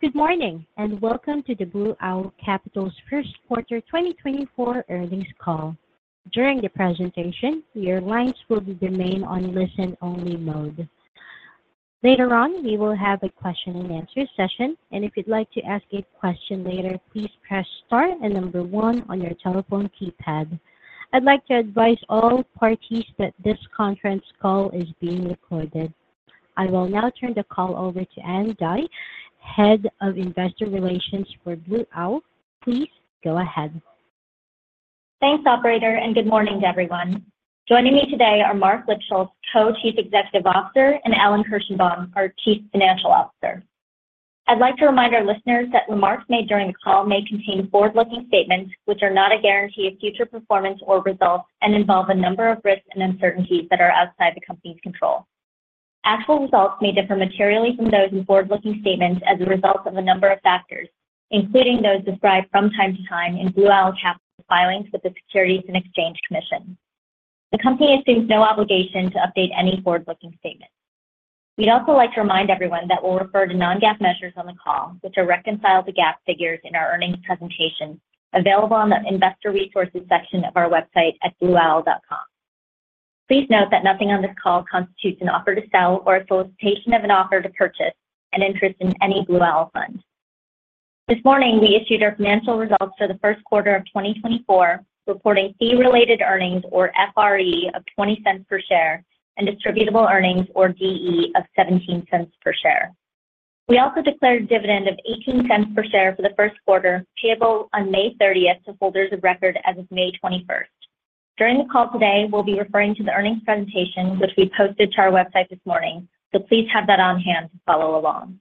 Good morning, and welcome to the Blue Owl Capital's First Quarter 2024 Earnings Call. During the presentation, your lines will remain on listen-only mode. Later on, we will have a question-and-answer session, and if you'd like to ask a question later, please press star and number one on your telephone keypad. I'd like to advise all parties that this conference call is being recorded. I will now turn the call over to Ann Dai, Head of Investor Relations for Blue Owl. Please go ahead. Thanks, operator, and good morning to everyone. Joining me today are Marc Lipschultz, Co-Chief Executive Officer, and Alan Kirshenbaum, our Chief Financial Officer. I'd like to remind our listeners that remarks made during the call may contain forward-looking statements which are not a guarantee of future performance or results and involve a number of risks and uncertainties that are outside the company's control. Actual results may differ materially from those in forward-looking statements as a result of a number of factors, including those described from time to time in Blue Owl Capital filings with the Securities and Exchange Commission. The company assumes no obligation to update any forward-looking statement. We'd also like to remind everyone that we'll refer to non-GAAP measures on the call, which are reconciled to GAAP figures in our earnings presentation, available on the Investor Resources section of our website at blueowl.com. Please note that nothing on this call constitutes an offer to sell or a solicitation of an offer to purchase an interest in any Blue Owl fund. This morning, we issued our financial results for the first quarter of 2024, reporting fee-related earnings, or FRE, of $0.20 per share, and distributable earnings, or DE, of $0.17 per share. We also declared a dividend of $0.18 per share for the first quarter, payable on May 13th to holders of record as of May 21st. During the call today, we'll be referring to the earnings presentation, which we posted to our website this morning, so please have that on hand to follow along.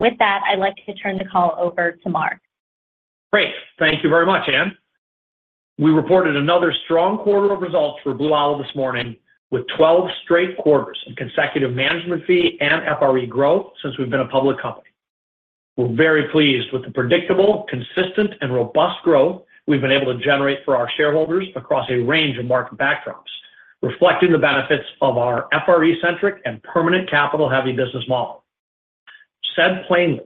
With that, I'd like to turn the call over to Marc. Great. Thank you very much, Ann. We reported another strong quarter of results for Blue Owl this morning, with 12 straight quarters of consecutive management fee and FRE growth since we've been a public company. We're very pleased with the predictable, consistent, and robust growth we've been able to generate for our shareholders across a range of market backdrops, reflecting the benefits of our FRE-centric and permanent capital-heavy business model. Said plainly,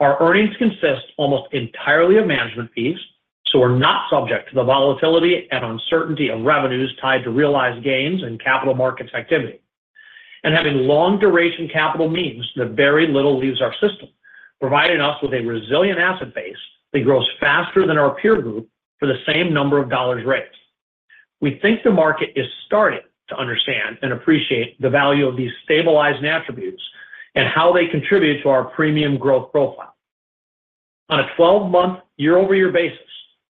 our earnings consist almost entirely of management fees, so we're not subject to the volatility and uncertainty of revenues tied to realized gains and capital markets activity. Having long-duration capital means that very little leaves our system, providing us with a resilient asset base that grows faster than our peer group for the same number of dollars raised. We think the market is starting to understand and appreciate the value of these stabilizing attributes and how they contribute to our premium growth profile. On a 12-month, year-over-year basis,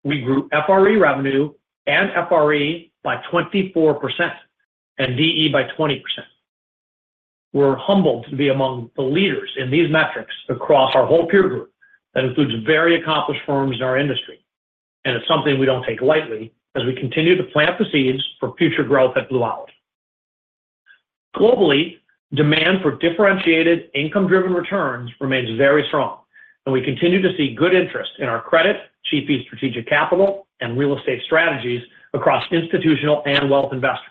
we grew FRE revenue and FRE by 24% and DE by 20%. We're humbled to be among the leaders in these metrics across our whole peer group. That includes very accomplished firms in our industry, and it's something we don't take lightly as we continue to plant the seeds for future growth at Blue Owl. Globally, demand for differentiated income-driven returns remains very strong, and we continue to see good interest in our credit, GP strategic capital, and real estate strategies across institutional and wealth investors.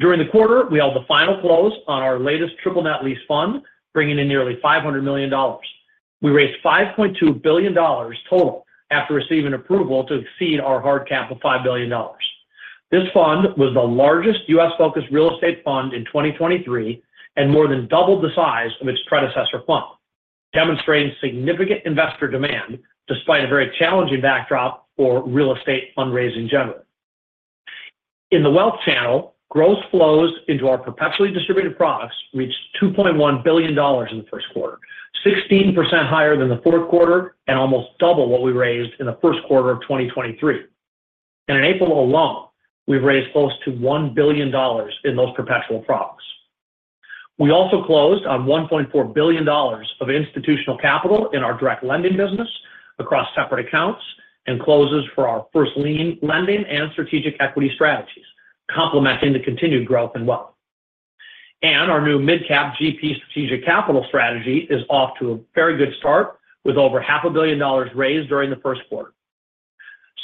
During the quarter, we held the final close on our latest triple net lease fund, bringing in nearly $500 million. We raised $5.2 billion total after receiving approval to exceed our hard cap of $5 billion. This fund was the largest U.S.-focused real estate fund in 2023 and more than doubled the size of its predecessor fund, demonstrating significant investor demand despite a very challenging backdrop for real estate fundraising in general. In the wealth channel, gross flows into our perpetually distributed products reached $2.1 billion in the first quarter, 16% higher than the fourth quarter and almost double what we raised in the first quarter of 2023. In April alone, we've raised close to $1 billion in those perpetual products. We also closed on $1.4 billion of institutional capital in our direct lending business across separate accounts and CLOs for our first lien lending and strategic equity strategies, complementing the continued growth in wealth. Our new midcap GP strategic capital strategy is off to a very good start, with over $500 million raised during the first quarter.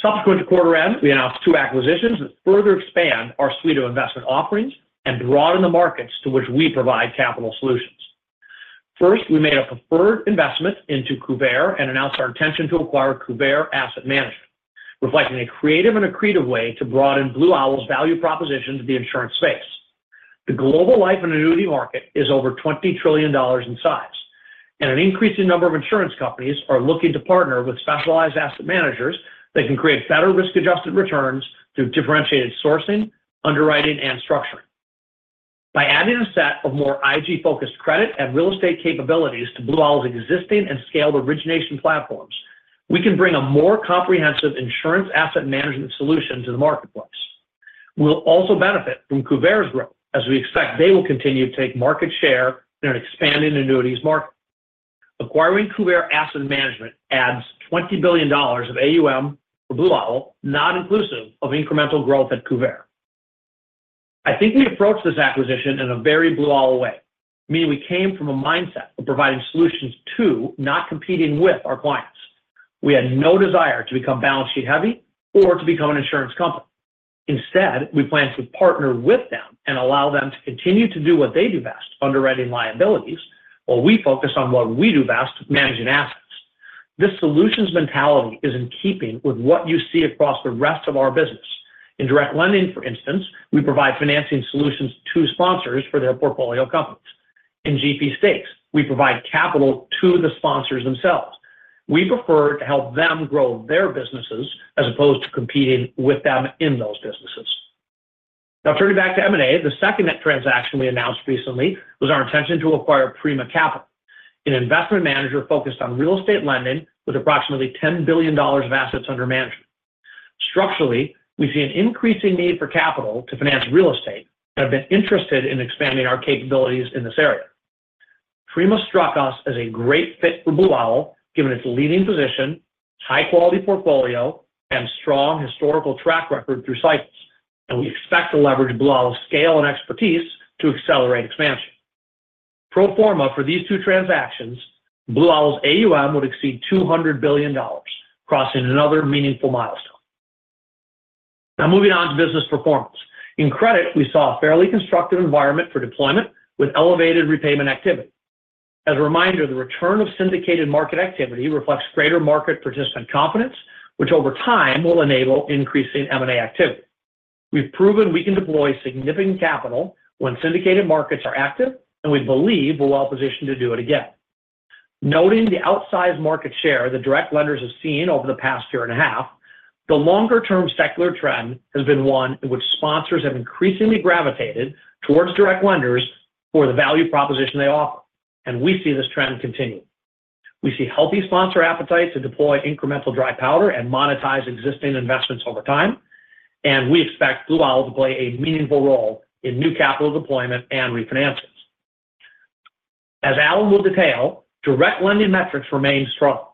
Subsequent to quarter end, we announced two acquisitions that further expand our suite of investment offerings and broaden the markets to which we provide capital solutions. First, we made a preferred investment into Kuvare and announced our intention to acquire Kuvare Asset Management, reflecting a creative and accretive way to broaden Blue Owl's value proposition to the insurance space. The global life and annuity market is over $20 trillion in size, and an increasing number of insurance companies are looking to partner with specialized asset managers that can create better risk-adjusted returns through differentiated sourcing, underwriting, and structuring. By adding a set of more IG-focused credit and real estate capabilities to Blue Owl's existing and scaled origination platforms, we can bring a more comprehensive insurance asset management solution to the marketplace. We'll also benefit from Kuvare's growth, as we expect they will continue to take market share in an expanding annuities market. Acquiring Kuvare Asset Management adds $20 billion of AUM for Blue Owl, not inclusive of incremental growth at Kuvare. I think we approached this acquisition in a very Blue Owl way, meaning we came from a mindset of providing solutions to, not competing with our clients. We had no desire to become balance sheet heavy or to become an insurance company. Instead, we plan to partner with them and allow them to continue to do what they do best, underwriting liabilities, while we focus on what we do best, managing assets. This solutions mentality is in keeping with what you see across the rest of our business. In direct lending, for instance, we provide financing solutions to sponsors for their portfolio companies. In GP stakes, we provide capital to the sponsors themselves. We prefer to help them grow their businesses as opposed to competing with them in those businesses. Now, turning back to M&A, the second M&A transaction we announced recently was our intention to acquire Prima Capital, an investment manager focused on real estate lending with approximately $10 billion of assets under management. Structurally, we see an increasing need for capital to finance real estate, and have been interested in expanding our capabilities in this area. Prima struck us as a great fit for Blue Owl, given its leading position, high-quality portfolio, and strong historical track record through cycles, and we expect to leverage Blue Owl's scale and expertise to accelerate expansion. Pro forma for these two transactions, Blue Owl's AUM would exceed $200 billion, crossing another meaningful milestone. Now moving on to business performance. In credit, we saw a fairly constructive environment for deployment with elevated repayment activity. As a reminder, the return of syndicated market activity reflects greater market participant confidence, which over time will enable increasing M&A activity. We've proven we can deploy significant capital when syndicated markets are active, and we believe we're well positioned to do it again. Noting the outsized market share the direct lenders have seen over the past year and a half, the longer-term secular trend has been one in which sponsors have increasingly gravitated towards direct lenders for the value proposition they offer, and we see this trend continuing. We see healthy sponsor appetite to deploy incremental dry powder and monetize existing investments over time, and we expect Blue Owl to play a meaningful role in new capital deployment and refinances. As Alan will detail, direct lending metrics remain strong.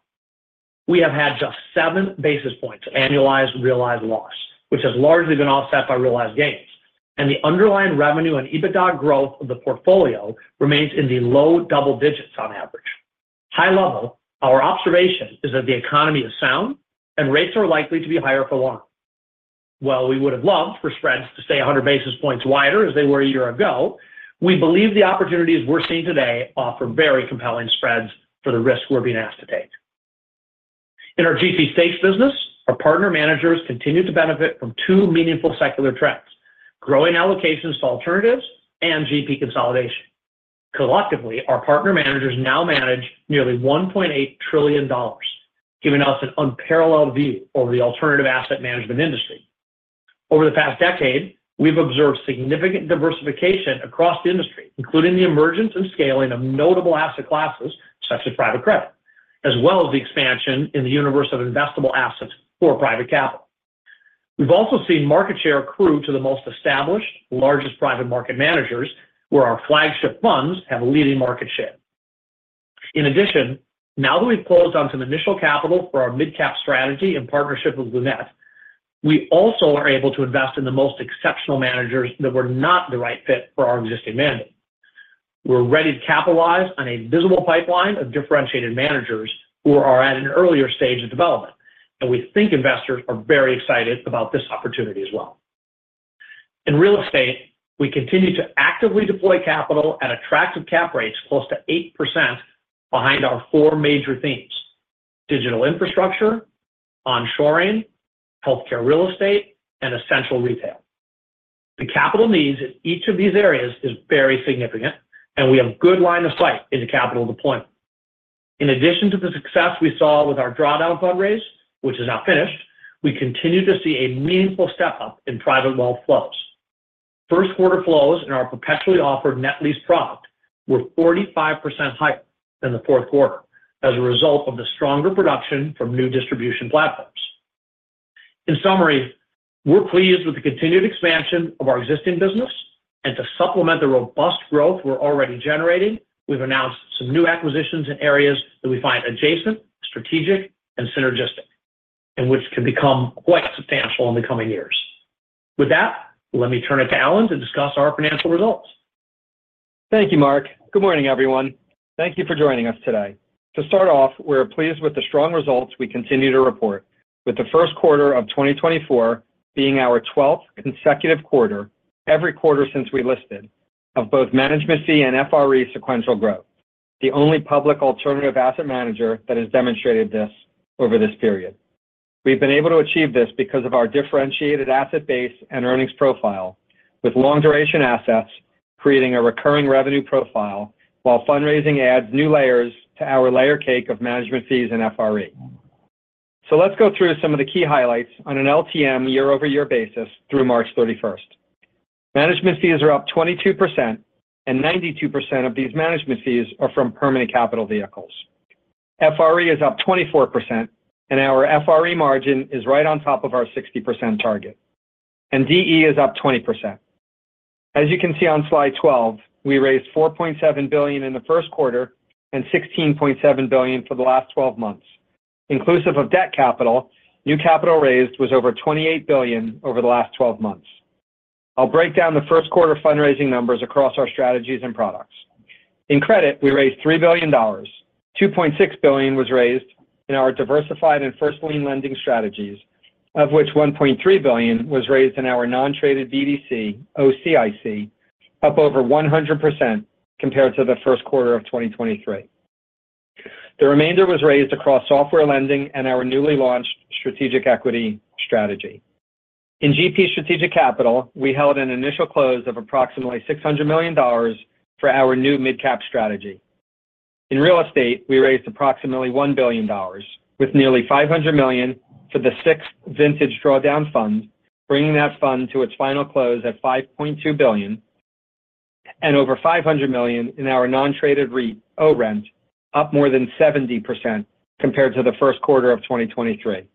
We have had just seven basis points of annualized realized loss, which has largely been offset by realized gains, and the underlying revenue and EBITDA growth of the portfolio remains in the low double digits on average. High level, our observation is that the economy is sound and rates are likely to be higher for long. While we would have loved for spreads to stay 100 basis points wider as they were a year ago, we believe the opportunities we're seeing today offer very compelling spreads for the risk we're being asked to take. In our GP stakes business, our partner managers continue to benefit from two meaningful secular trends: growing allocations to alternatives and GP consolidation. Collectively, our partner managers now manage nearly $1.8 trillion, giving us an unparalleled view over the alternative asset management industry. Over the past decade, we've observed significant diversification across the industry, including the emergence and scaling of notable asset classes such as private credit, as well as the expansion in the universe of investable assets for private capital. We've also seen market share accrue to the most established, largest private market managers, where our flagship funds have a leading market share. In addition, now that we've closed on some initial capital for our midcap strategy in partnership with Lunate, we also are able to invest in the most exceptional managers that were not the right fit for our existing mandate. We're ready to capitalize on a visible pipeline of differentiated managers who are at an earlier stage of development, and we think investors are very excited about this opportunity as well. In real estate, we continue to actively deploy capital at attractive cap rates close to 8% behind our four major themes: digital infrastructure, onshoring, healthcare real estate, and essential retail. The capital needs in each of these areas is very significant, and we have good line of sight into capital deployment. In addition to the success we saw with our drawdown fundraise, which is now finished, we continue to see a meaningful step-up in private wealth flows. First quarter flows in our perpetually offered net lease product were 45% higher than the fourth quarter as a result of the stronger production from new distribution platforms. In summary, we're pleased with the continued expansion of our existing business, and to supplement the robust growth we're already generating, we've announced some new acquisitions in areas that we find adjacent, strategic, and synergistic, and which can become quite substantial in the coming years. With that, let me turn it to Alan to discuss our financial results. Thank you, Marc. Good morning, everyone. Thank you for joining us today. To start off, we're pleased with the strong results we continue to report, with the first quarter of 2024 being our 12th consecutive quarter, every quarter since we listed, of both management fee and FRE sequential growth, the only public alternative asset manager that has demonstrated this over this period. We've been able to achieve this because of our differentiated asset base and earnings profile, with long-duration assets creating a recurring revenue profile while fundraising adds new layers to our layer cake of management fees and FRE. So let's go through some of the key highlights on an LTM year-over-year basis through March 31st. Management fees are up 22%, and 92% of these management fees are from permanent capital vehicles. FRE is up 24%, and our FRE margin is right on top of our 60% target, and DE is up 20%. As you can see on slide 12, we raised $4.7 billion in the first quarter and $16.7 billion for the last 12 months. Inclusive of debt capital, new capital raised was over $28 billion over the last 12 months. I'll break down the first quarter fundraising numbers across our strategies and products. In credit, we raised $3 billion, $2.6 billion was raised in our diversified and first lien lending strategies, of which $1.3 billion was raised in our non-traded BDC, OCIC, up over 100% compared to the first quarter of 2023. The remainder was raised across software lending and our newly launched strategic equity strategy. In GP Strategic Capital, we held an initial close of approximately $600 million for our new midcap strategy. In real estate, we raised approximately $1 billion, with nearly $500 million for the sixth vintage drawdown fund, bringing that fund to its final close at $5.2 billion, and over $500 million in our non-traded REIT, ORENT, up more than 70% compared to the first quarter of 2023.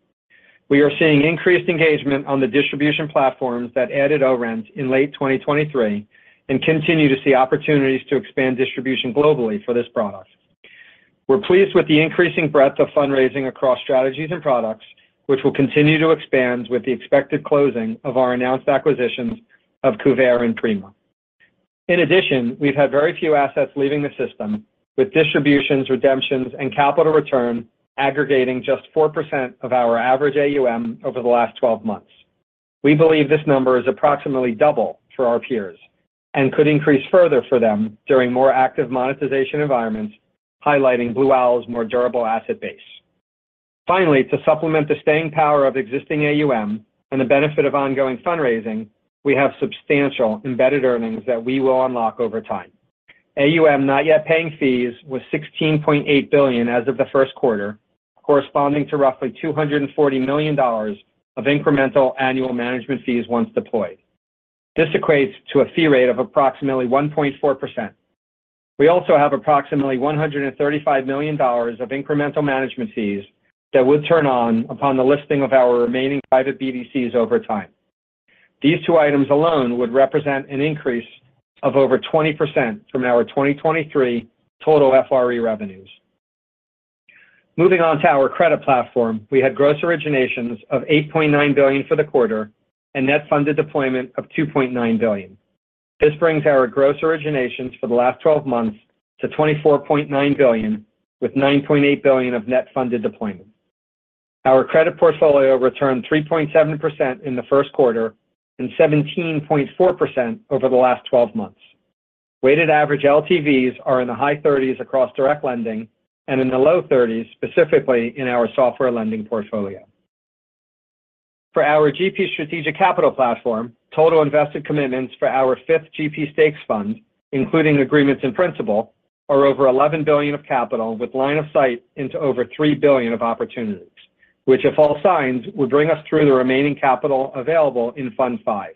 We are seeing increased engagement on the distribution platforms that added ORENT in late 2023 and continue to see opportunities to expand distribution globally for this product. We're pleased with the increasing breadth of fundraising across strategies and products, which will continue to expand with the expected closing of our announced acquisitions of Kuvare and Prima. In addition, we've had very few assets leaving the system, with distributions, redemptions, and capital return aggregating just 4% of our average AUM over the last 12 months. We believe this number is approximately double for our peers and could increase further for them during more active monetization environments, highlighting Blue Owl's more durable asset base. Finally, to supplement the staying power of existing AUM and the benefit of ongoing fundraising, we have substantial embedded earnings that we will unlock over time. AUM not yet paying fees was $16.8 billion as of the first quarter, corresponding to roughly $240 million of incremental annual management fees once deployed. This equates to a fee rate of approximately 1.4%. We also have approximately $135 million of incremental management fees that would turn on upon the listing of our remaining private BDCs over time. These two items alone would represent an increase of over 20% from our 2023 total FRE revenues. Moving on to our credit platform, we had gross originations of $8.9 billion for the quarter and net funded deployment of $2.9 billion. This brings our gross originations for the last twelve months to $24.9 billion, with $9.8 billion of net funded deployments. Our credit portfolio returned 3.7% in the first quarter and 17.4% over the last twelve months. Weighted average LTVs are in the high thirties across direct lending and in the low thirties, specifically in our software lending portfolio. For our GP strategic capital platform, total invested commitments for our fifth GP stakes fund, including agreements in principle, are over $11 billion of capital, with line of sight into over $3 billion of opportunities, which, if all signed, would bring us through the remaining capital available in Fund five.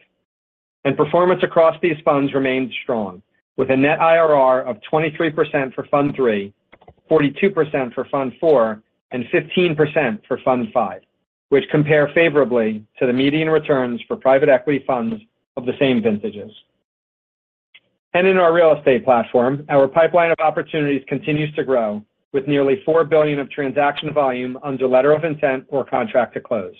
Performance across these funds remains strong, with a net IRR of 23% for Fund three, 42% for Fund four, and 15% for Fund five, which compare favorably to the median returns for private equity funds of the same vintages. In our real estate platform, our pipeline of opportunities continues to grow, with nearly $4 billion of transaction volume under letter of intent or contract to close.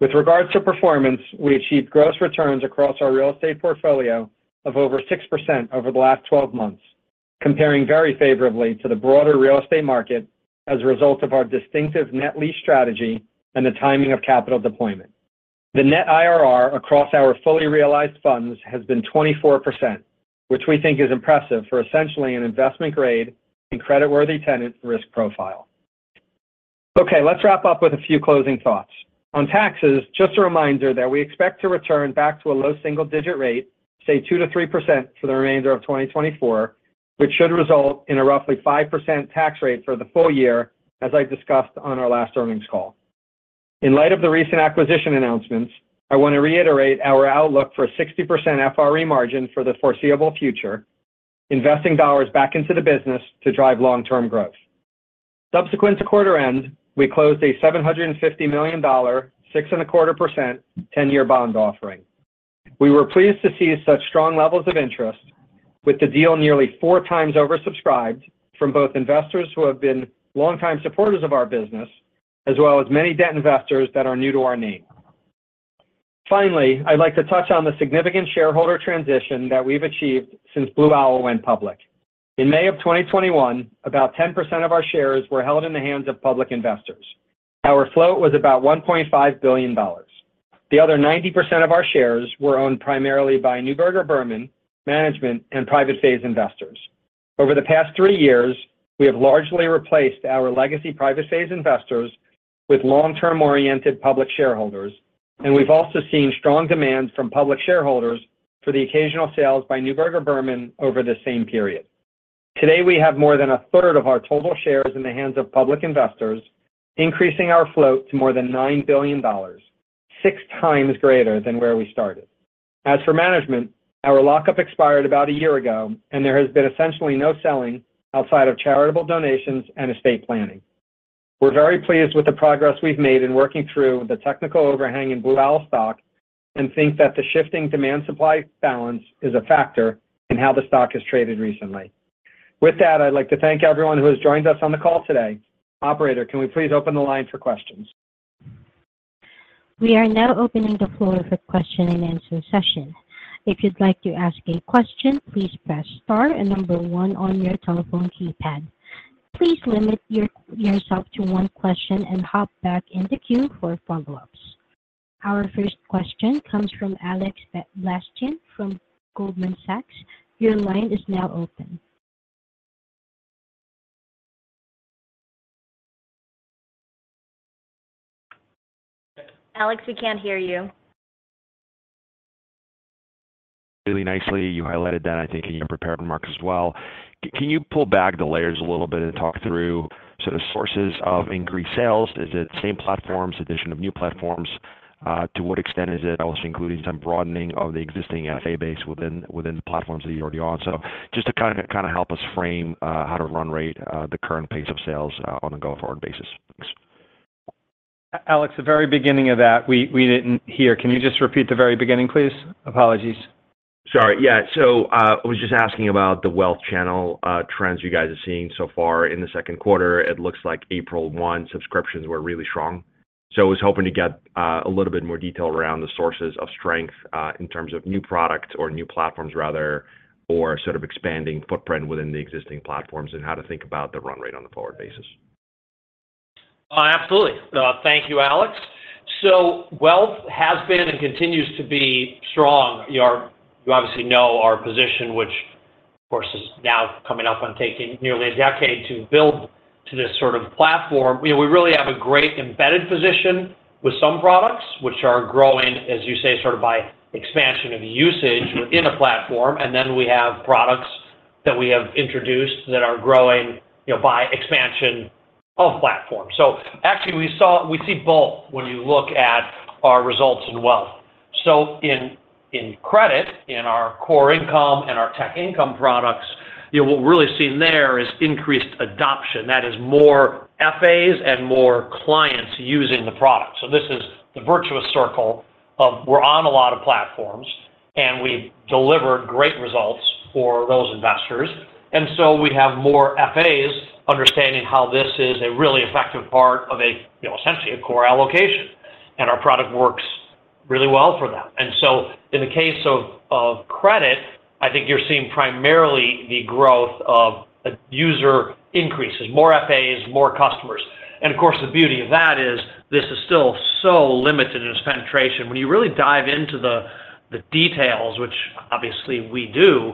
With regards to performance, we achieved gross returns across our real estate portfolio of over 6% over the last 12 months, comparing very favorably to the broader real estate market as a result of our distinctive net lease strategy and the timing of capital deployment. The net IRR across our fully realized funds has been 24%, which we think is impressive for essentially an investment-grade and creditworthy tenant risk profile. Okay, let's wrap up with a few closing thoughts. On taxes, just a reminder that we expect to return back to a low single-digit rate, say 2%-3% for the remainder of 2024, which should result in a roughly 5% tax rate for the full year, as I discussed on our last earnings call. In light of the recent acquisition announcements, I want to reiterate our outlook for 60% FRE margin for the foreseeable future, investing dollars back into the business to drive long-term growth. Subsequent to quarter end, we closed a $750 million, 6.25%, 10-year bond offering. We were pleased to see such strong levels of interest, with the deal nearly 4x oversubscribed from both investors who have been longtime supporters of our business, as well as many debt investors that are new to our name. Finally, I'd like to touch on the significant shareholder transition that we've achieved since Blue Owl went public. In May of 2021, about 10% of our shares were held in the hands of public investors. Our float was about $1.5 billion. The other 90% of our shares were owned primarily by Neuberger Berman, management, and private phase investors. Over the past three years, we have largely replaced our legacy private phase investors with long-term-oriented public shareholders, and we've also seen strong demand from public shareholders for the occasional sales by Neuberger Berman over the same period. Today, we have more than a third of our total shares in the hands of public investors, increasing our float to more than $9 billion, 6x greater than where we started. As for management, our lockup expired about a year ago, and there has been essentially no selling outside of charitable donations and estate planning. We're very pleased with the progress we've made in working through the technical overhang in Blue Owl stock and think that the shifting demand-supply balance is a factor in how the stock has traded recently. With that, I'd like to thank everyone who has joined us on the call today. Operator, can we please open the line for questions? We are now opening the floor for question-and-answer session. If you'd like to ask a question, please press star and number one on your telephone keypad. Please limit yourself to one question and hop back in the queue for follow-ups. Our first question comes from Alex Blostein from Goldman Sachs. Your line is now open. Alex, we can't hear you. Really nicely. You highlighted that, I think, in your prepared remarks as well. Can you pull back the layers a little bit and talk through sort of sources of increased sales? Is it same platforms, addition of new platforms? To what extent is it also including some broadening of the existing FA base within the platforms that you're already on? So just to kind of help us frame how to run rate the current pace of sales on a going-forward basis. Thanks. Alex, the very beginning of that, we didn't hear. Can you just repeat the very beginning, please? Apologies. Sorry. Yeah. So, I was just asking about the wealth channel, trends you guys are seeing so far in the second quarter. It looks like April 1, subscriptions were really strong. So I was hoping to get, a little bit more detail around the sources of strength, in terms of new product or new platforms, rather, or sort of expanding footprint within the existing platforms, and how to think about the run rate on the forward basis. Absolutely. Thank you, Alex. So wealth has been and continues to be strong. You obviously know our position, which, of course, is now coming up on taking nearly a decade to build to this sort of platform. You know, we really have a great embedded position with some products which are growing, as you say, sort of by expansion of usage within a platform. And then we have products that we have introduced that are growing, you know, by expansion of platform. So actually, we see both when you look at our results in wealth. So in credit, in our core income and our tech income products, you know, what we're really seeing there is increased adoption. That is more FAs and more clients using the product. So this is the virtuous circle of we're on a lot of platforms, and we've delivered great results for those investors. And so we have more FAs understanding how this is a really effective part of a, you know, essentially a core allocation, and our product works really well for them. And so in the case of credit, I think you're seeing primarily the growth of user increases, more FAs, more customers. And of course, the beauty of that is this is still so limited in its penetration. When you really dive into the details, which obviously we do,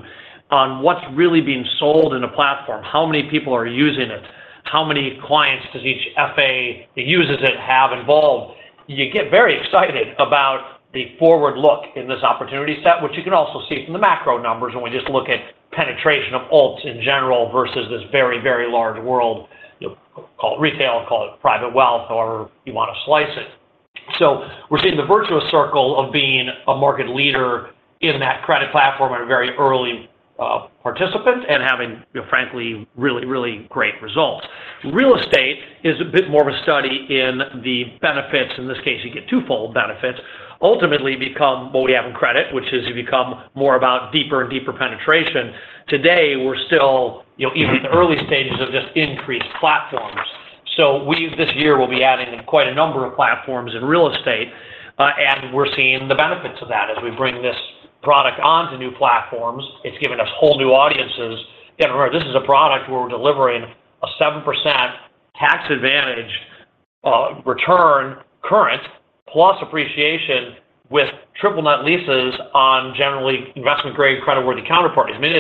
on what's really being sold in a platform, how many people are using it, how many clients does each FA who uses it have involved, you get very excited about the forward look in this opportunity set, which you can also see from the macro numbers. We just look at penetration of alts in general versus this very, very large world, you know, call it retail, call it private wealth, however you want to slice it. We're seeing the virtuous circle of being a market leader in that credit platform at a very early participant and having, you know, frankly, really, really great results. Real estate is a bit more of a study in the benefits. In this case, you get twofold benefits. Ultimately, become what we have in credit, which is you become more about deeper and deeper penetration. Today, we're still, you know, even in the early stages of just increased platforms. This year, we'll be adding quite a number of platforms in real estate, and we're seeing the benefits of that as we bring this product onto new platforms. It's giving us whole new audiences. And remember, this is a product where we're delivering a 7% tax advantage return current, plus appreciation with triple net leases on generally investment-grade, creditworthy counterparties. I mean,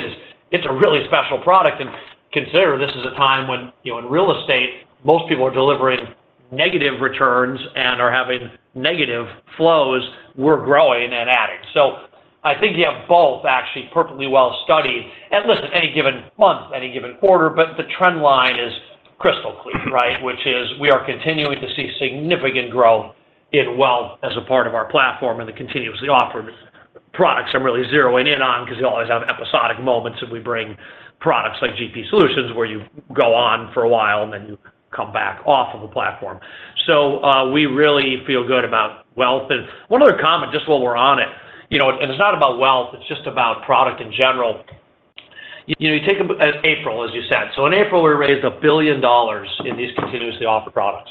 it's a really special product, and consider this is a time when, you know, in real estate, most people are delivering negative returns and are having negative flows, we're growing and adding. So I think you have both actually perfectly well studied. And listen, any given month, any given quarter, but the trend line is crystal clear, right? Which is we are continuing to see significant growth in wealth as a part of our platform, and the continuously offered products I'm really zeroing in on because we always have episodic moments, and we bring products like GP Solutions, where you go on for a while, and then you come back off of the platform. So, we really feel good about wealth. And one other comment, just while we're on it, you know, and it's not about wealth, it's just about product in general. You know, you take April, as you said. So in April, we raised $1 billion in these continuously offered products.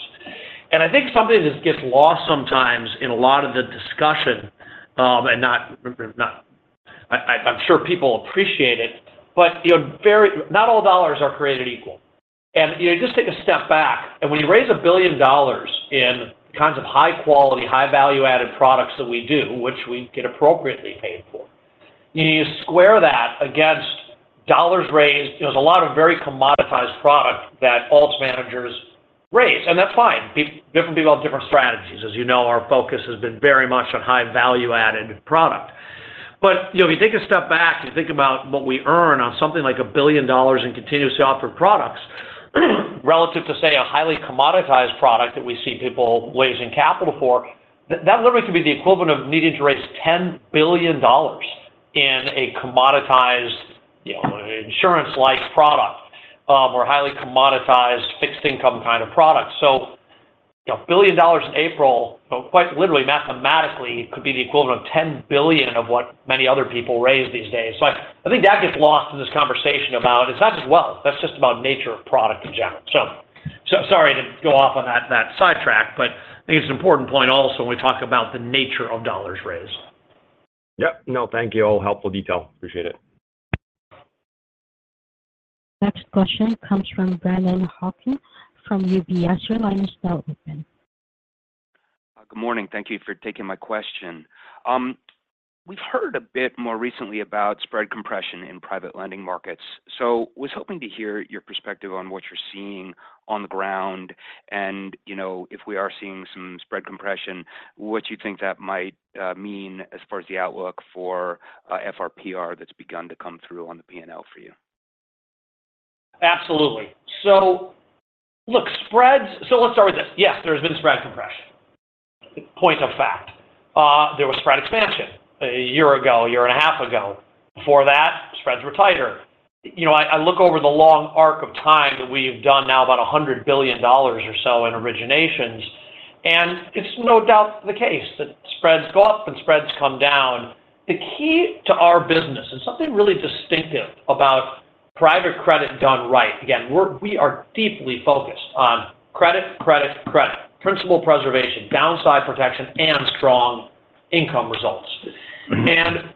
And I think something that gets lost sometimes in a lot of the discussion, and not, I'm sure people appreciate it, but, you know, not all dollars are created equal. And, you know, just take a step back, and when you raise $1 billion in kinds of high quality, high value-added products that we do, which we get appropriately paid for, you square that against dollars raised. There's a lot of very commoditized product that alts managers raise, and that's fine. People have different strategies. As you know, our focus has been very much on high value-added product. But, you know, if you take a step back and think about what we earn on something like $1 billion in continuously offered products, relative to, say, a highly commoditized product that we see people raising capital for, that literally could be the equivalent of needing to raise $10 billion in a commoditized, you know, insurance-like product, or highly commoditized fixed income kind of product. A billion dollars in a BDC, but quite literally, mathematically, could be the equivalent of $10 billion of what many other people raise these days. So I, I think that gets lost in this conversation about it's not just wealth, that's just about nature of product in general. So, so sorry to go off on that sidetrack, but I think it's an important point also when we talk about the nature of dollars raised. Yep. No, thank you. All helpful detail. Appreciate it. Next question comes from Brennan Hawken from UBS. Your line is now open. Good morning. Thank you for taking my question. We've heard a bit more recently about spread compression in private lending markets. So was hoping to hear your perspective on what you're seeing on the ground and, you know, if we are seeing some spread compression, what you think that might mean as far as the outlook for FRPR that's begun to come through on the PNL for you? Absolutely. So look, spreads. So let's start with this. Yes, there's been spread compression. Point of fact, there was spread expansion a year ago, a year and a half ago. Before that, spreads were tighter. You know, I look over the long arc of time that we've done now about $100 billion or so in originations, and it's no doubt the case that spreads go up and spreads come down. The key to our business, and something really distinctive about private credit done right. Again, we are deeply focused on credit, credit, credit, principal preservation, downside protection, and strong income results.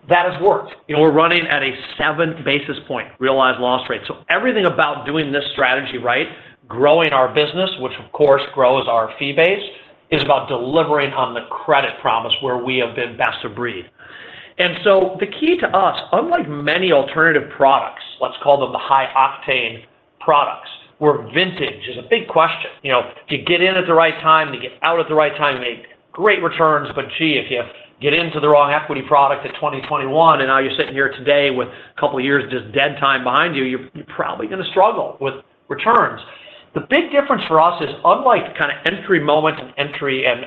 That has worked. You know, we're running at a 7 basis point realized loss rate. So everything about doing this strategy right, growing our business, which of course grows our fee base, is about delivering on the credit promise where we have been best of breed. And so the key to us, unlike many alternative products, let's call them the high octane products, where vintage is a big question. You know, to get in at the right time, to get out at the right time, you make great returns. But gee, if you get into the wrong equity product at 2021, and now you're sitting here today with a couple of years just dead time behind you, you're probably gonna struggle with returns. The big difference for us is unlike kind of entry moments and entry and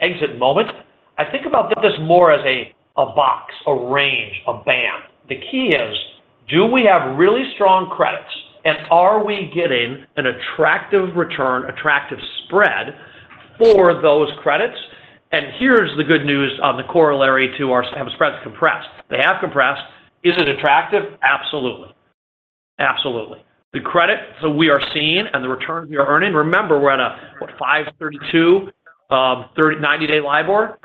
exit moments, I think about this more as a box, a range, a band. The key is, do we have really strong credits, and are we getting an attractive return, attractive spread for those credits? And here's the good news on the corollary to our spreads compressed. They have compressed. Is it attractive? Absolutely. Absolutely. The credit that we are seeing and the returns we are earning, remember, we're at a, what, 532 30-90-day LIBOR.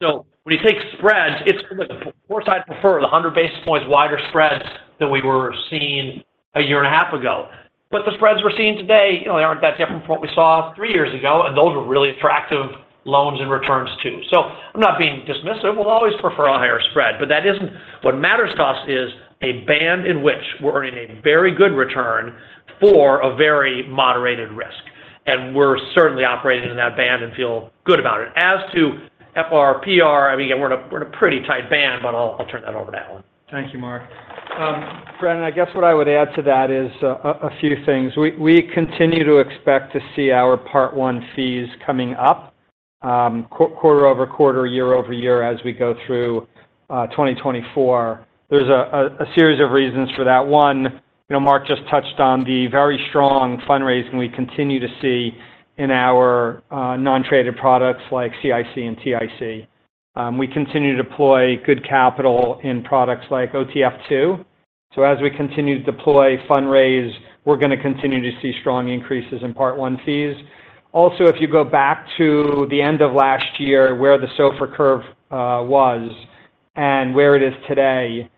So when you take spreads, it's of course, I'd prefer the 100 basis points wider spreads than we were seeing a year and a half ago. But the spreads we're seeing today, you know, they aren't that different from what we saw 3 years ago, and those were really attractive loans and returns, too. So I'm not being dismissive. We'll always prefer a higher spread, but that isn't. What matters to us is a band in which we're earning a very good return for a very moderated risk, and we're certainly operating in that band and feel good about it. As to FRPR, I mean, we're in a pretty tight band, but I'll turn that over to Alan. Thank you, Marc. Brandon, I guess what I would add to that is a few things. We continue to expect to see our Part I fees coming up quarter-over-quarter, year-over-year, as we go through 2024. There's a series of reasons for that. One, you know, Marc just touched on the very strong fundraising we continue to see in our non-traded products like CIC and TIC. We continue to deploy good capital in products like OTF II. So as we continue to deploy fundraise, we're gonna continue to see strong increases in Part I fees. Also, if you go back to the end of last year, where the SOFR curve was and where it is today,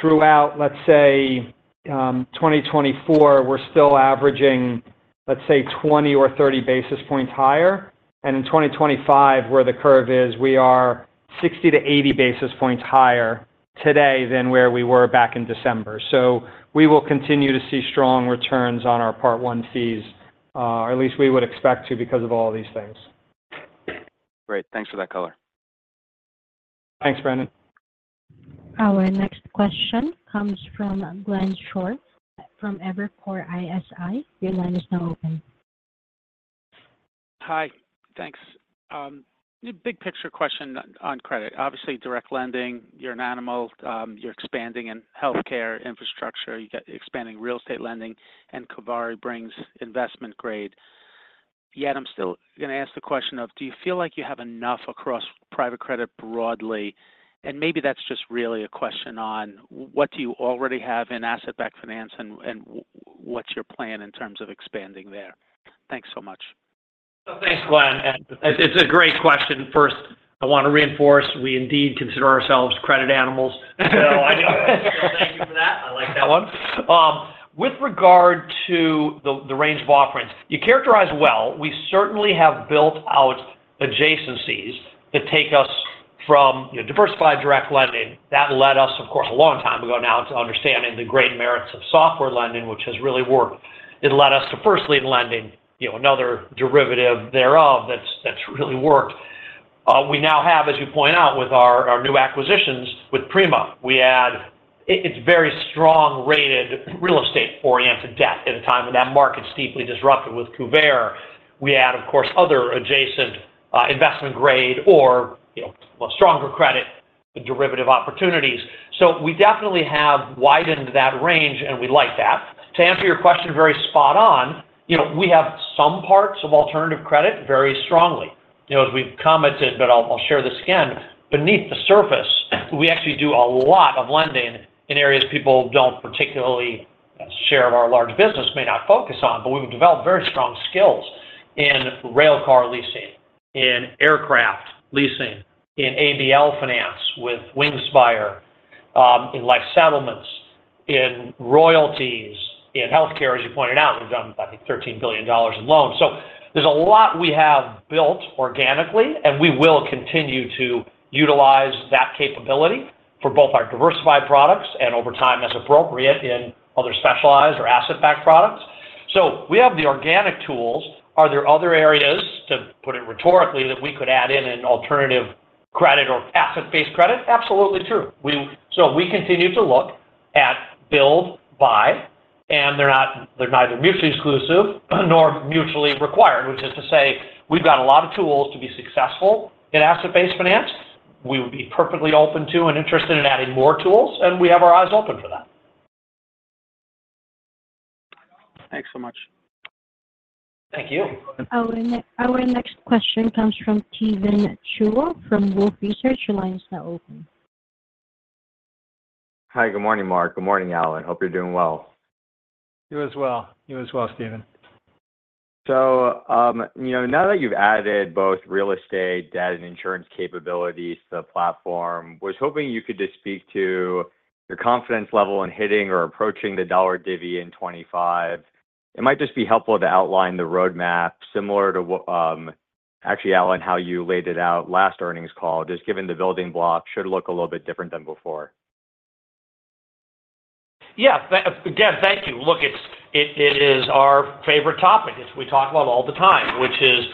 throughout, let's say, 2024, we're still averaging, let's say, 20 or 30 basis points higher. In 2025, where the curve is, we are 60-80 basis points higher today than where we were back in December. We will continue to see strong returns on our Part I fees, or at least we would expect to, because of all these things. Great. Thanks for that color. Thanks, Brandon. Our next question comes from Glenn Schorr from Evercore ISI. Your line is now open. Hi, thanks. Big picture question on credit. Obviously, direct lending, you're an animal, you're expanding in healthcare infrastructure, you got expanding real estate lending, and Kuvare brings investment grade. Yet, I'm still gonna ask the question of: Do you feel like you have enough across private credit broadly? And maybe that's just really a question on: What do you already have in asset-backed finance, and what's your plan in terms of expanding there? Thanks so much. Thanks, Glenn. It's a great question. First, I want to reinforce, we indeed consider ourselves credit animals. So thank you for that. I like that one. With regard to the range of offerings, you characterize well, we certainly have built out adjacencies that take us from, you know, diversified direct lending. That led us, of course, a long time ago now, to understanding the great merits of software lending, which has really worked. It led us to first lien lending, you know, another derivative thereof, that's really worked. We now have, as you point out, with our new acquisitions, with Prima, we add, it's very strong-rated, real estate-oriented debt at a time when that market's deeply disrupted. With Kuvare, we add, of course, other adjacent, investment grade or, you know, well, stronger credit. The derivative opportunities. So we definitely have widened that range, and we like that. To answer your question very spot on, you know, we have some parts of alternative credit very strongly. You know, as we've commented, but I'll share this again. Beneath the surface, we actually do a lot of lending in areas people don't particularly share of our large business may not focus on, but we've developed very strong skills in railcar leasing, in aircraft leasing, in ABL finance with Wingspire, in life settlements, in royalties, in healthcare, as you pointed out, we've done, I think, $13 billion in loans. So there's a lot we have built organically, and we will continue to utilize that capability for both our diversified products and over time, as appropriate, in other specialized or asset-backed products. So we have the organic tools. Are there other areas, to put it rhetorically, that we could add in an alternative credit or asset-based credit? Absolutely true. So we continue to look at build, buy, and they're not, they're neither mutually exclusive nor mutually required, which is to say we've got a lot of tools to be successful in asset-based finance. We would be perfectly open to and interested in adding more tools, and we have our eyes open for that. Thanks so much. Thank you. Our next question comes from Steven Chubak from Wolfe Research. Your line is now open. Hi, good morning, Marc. Good morning, Alan. Hope you're doing well. You as well. You as well, Steven. So, you know, now that you've added both real estate, debt, and insurance capabilities to the platform, was hoping you could just speak to your confidence level in hitting or approaching the dollar divvy in 2025. It might just be helpful to outline the roadmap similar to what, actually, Alan, how you laid it out last earnings call, just given the building blocks should look a little bit different than before. Yeah. Again, thank you. Look, it's it is our favorite topic. It's we talk about it all the time, which is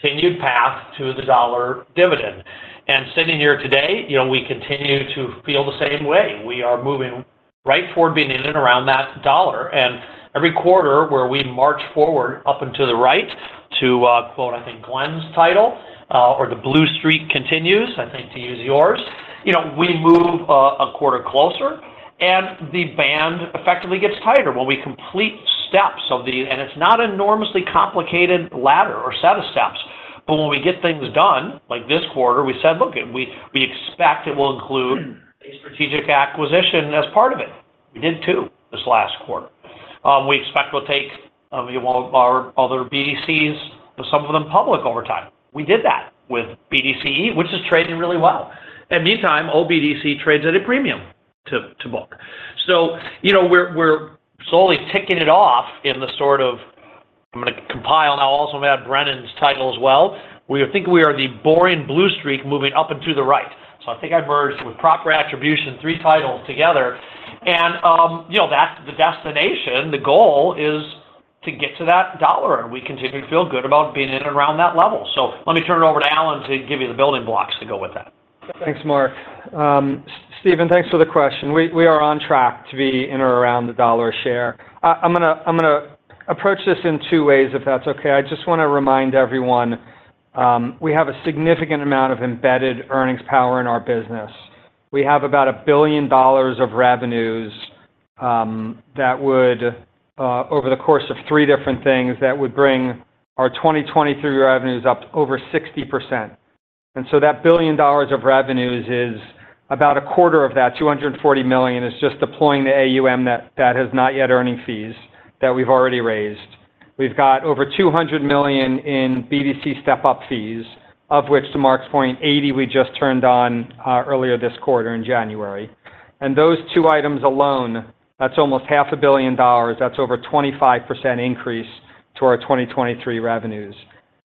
continued path to the dollar dividend. And sitting here today, you know, we continue to feel the same way. We are moving right forward, being in and around that dollar. And every quarter where we march forward, up and to the right, to quote, I think, Glenn's title, or the blue streak continues, I think, to use yours. You know, we move a quarter closer, and the band effectively gets tighter. When we complete steps of the... And it's not an enormously complicated ladder or set of steps, but when we get things done, like this quarter, we said, "Look, we expect it will include a strategic acquisition as part of it." We did, too, this last quarter. Well, we expect we'll take our other BDCs, some of them public over time. We did that with OBDC, which is trading really well. Meantime, OBDC trades at a premium to book. So, you know, we're slowly ticking it off in the sort of as well. We think we are the boring blue streak moving up and to the right. So, you know, that's the destination. The goal is to get to that dollar, and we continue to feel good about being in and around that level. So let me turn it over to Alan to give you the building blocks to go with that. Thanks, Marc. Steven, thanks for the question. We, we are on track to be in or around $1 a share. I, I'm gonna, I'm gonna approach this in two ways, if that's okay. I just want to remind everyone, we have a significant amount of embedded earnings power in our business. We have about $1 billion of revenues, that would, over the course of three different things, that would bring our 2023 revenues up to over 60%. And so that $1 billion of revenues is about a quarter of that. $240 million is just deploying the AUM that, that has not yet earning fees that we've already raised. We've got over $200 million in BDC step-up fees, of which, to Marc's point, $80 million we just turned on, earlier this quarter in January. Those two items alone, that's almost $500 million. That's over 25% increase to our 2023 revenues.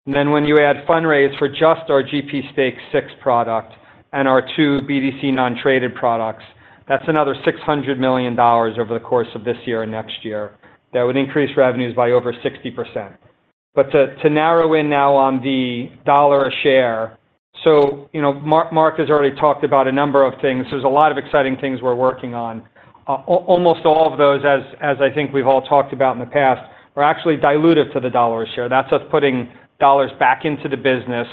Then when you add fundraise for just our GP Stakes six product and our two BDC non-traded products, that's another $600 million over the course of this year and next year. That would increase revenues by over 60%. But to narrow in now on the dollar a share, so, you know, Marc has already talked about a number of things. There's a lot of exciting things we're working on. Almost all of those, as I think we've all talked about in the past, are actually diluted to the dollar a share. That's us putting dollars back into the business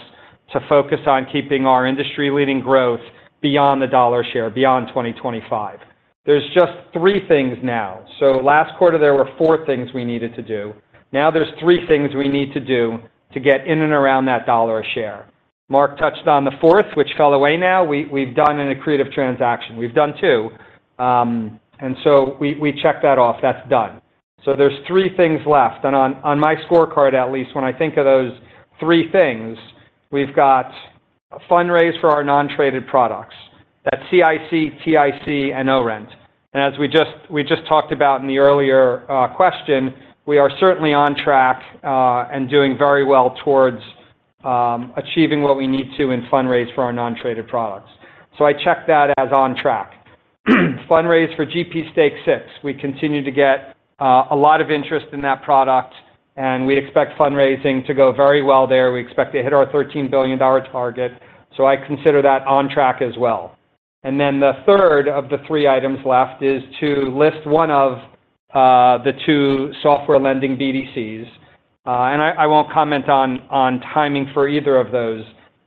to focus on keeping our industry-leading growth beyond the dollar share, beyond 2025. There's just three things now. So last quarter, there were four things we needed to do. Now there's three things we need to do to get in and around that $1 a share. Marc touched on the fourth, which fell away now. We, we've done an accretive transaction. We've done two, and so we, we checked that off. That's done. So there's three things left, and on, on my scorecard, at least when I think of those three things, we've got a fundraise for our non-traded products. That's CIC, TIC, and ORENT. And as we just, we just talked about in the earlier question, we are certainly on track, and doing very well towards achieving what we need to in fundraise for our non-traded products. So I check that as on track. Fundraise for GP Stakes VI. We continue to get a lot of interest in that product, and we expect fundraising to go very well there. We expect to hit our $13 billion target, so I consider that on track as well. And then the third of the three items left is to list one of the two software lending BDCs, and I won't comment on timing for either of those.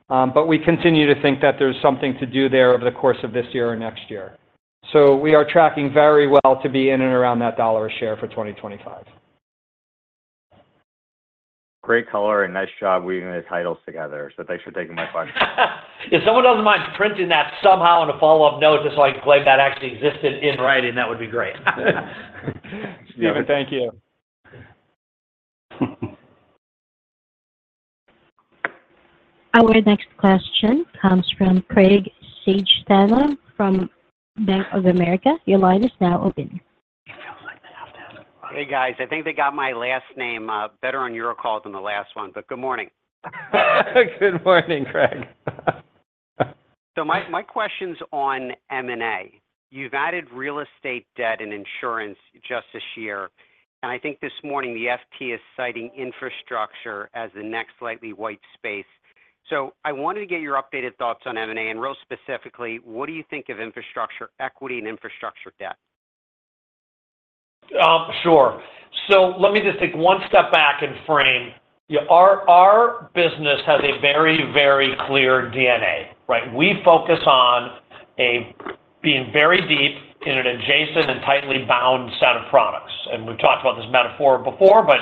But we continue to think that there's something to do there over the course of this year or next year. So we are tracking very well to be in and around that $1 a share for 2025. Great color, and nice job reading the titles together. So thanks for taking my question. If someone doesn't mind printing that somehow in a follow-up note, just so I can claim that actually existed in writing, that would be great. Steven, thank you. Our next question comes from Craig Siegenthaler from Bank of America. Your line is now open. Hey, guys, I think they got my last name better on your call than the last one, but good morning. Good morning, Craig. So my question's on M&A. You've added real estate, debt, and insurance just this year, and I think this morning the FT is citing infrastructure as the next slightly white space. So I wanted to get your updated thoughts on M&A, and really specifically, what do you think of infrastructure equity and infrastructure debt? Sure. So let me just take one step back and frame. Our, our business has a very, very clear DNA, right? We focus on a being very deep in an adjacent and tightly bound set of products. And we've talked about this metaphor before, but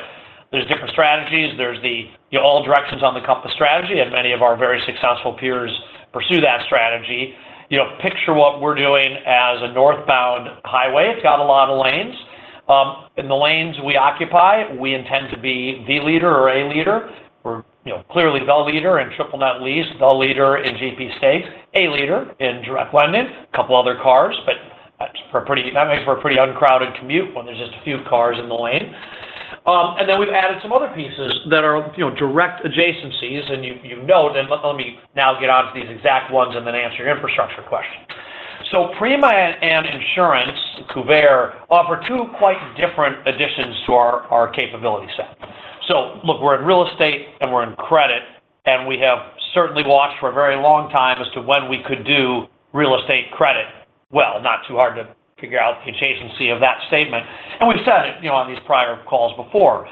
there's different strategies. There's the all directions on the compass strategy, and many of our very successful peers pursue that strategy. You know, picture what we're doing as a northbound highway. It's got a lot of lanes. In the lanes we occupy, we intend to be the leader or a leader or, you know, clearly the leader in triple net lease, the leader in GP stakes, a leader in direct lending, a couple other cars, but that's for a pretty, that makes for a pretty uncrowded commute when there's just a few cars in the lane. And then we've added some other pieces that are, you know, direct adjacencies, and you know. Then let me now get on to these exact ones and then answer your infrastructure question. So Prima and Kuvare offer two quite different additions to our capability set. So look, we're in real estate, and we're in credit, and we have certainly watched for a very long time as to when we could do real estate credit. Well, not too hard to figure out the adjacency of that statement. And we've said it, you know, on these prior calls before.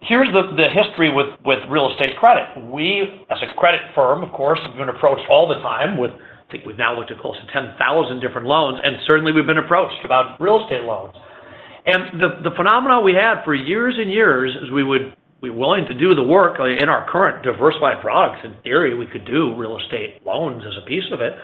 Here's the history with real estate credit. We, as a credit firm, of course, have been approached all the time with... I think we've now looked at close to 10,000 different loans, and certainly we've been approached about real estate loans. And the phenomenon we had for years and years is we would be willing to do the work in our current diversified products. In theory, we could do real estate loans as a piece of it.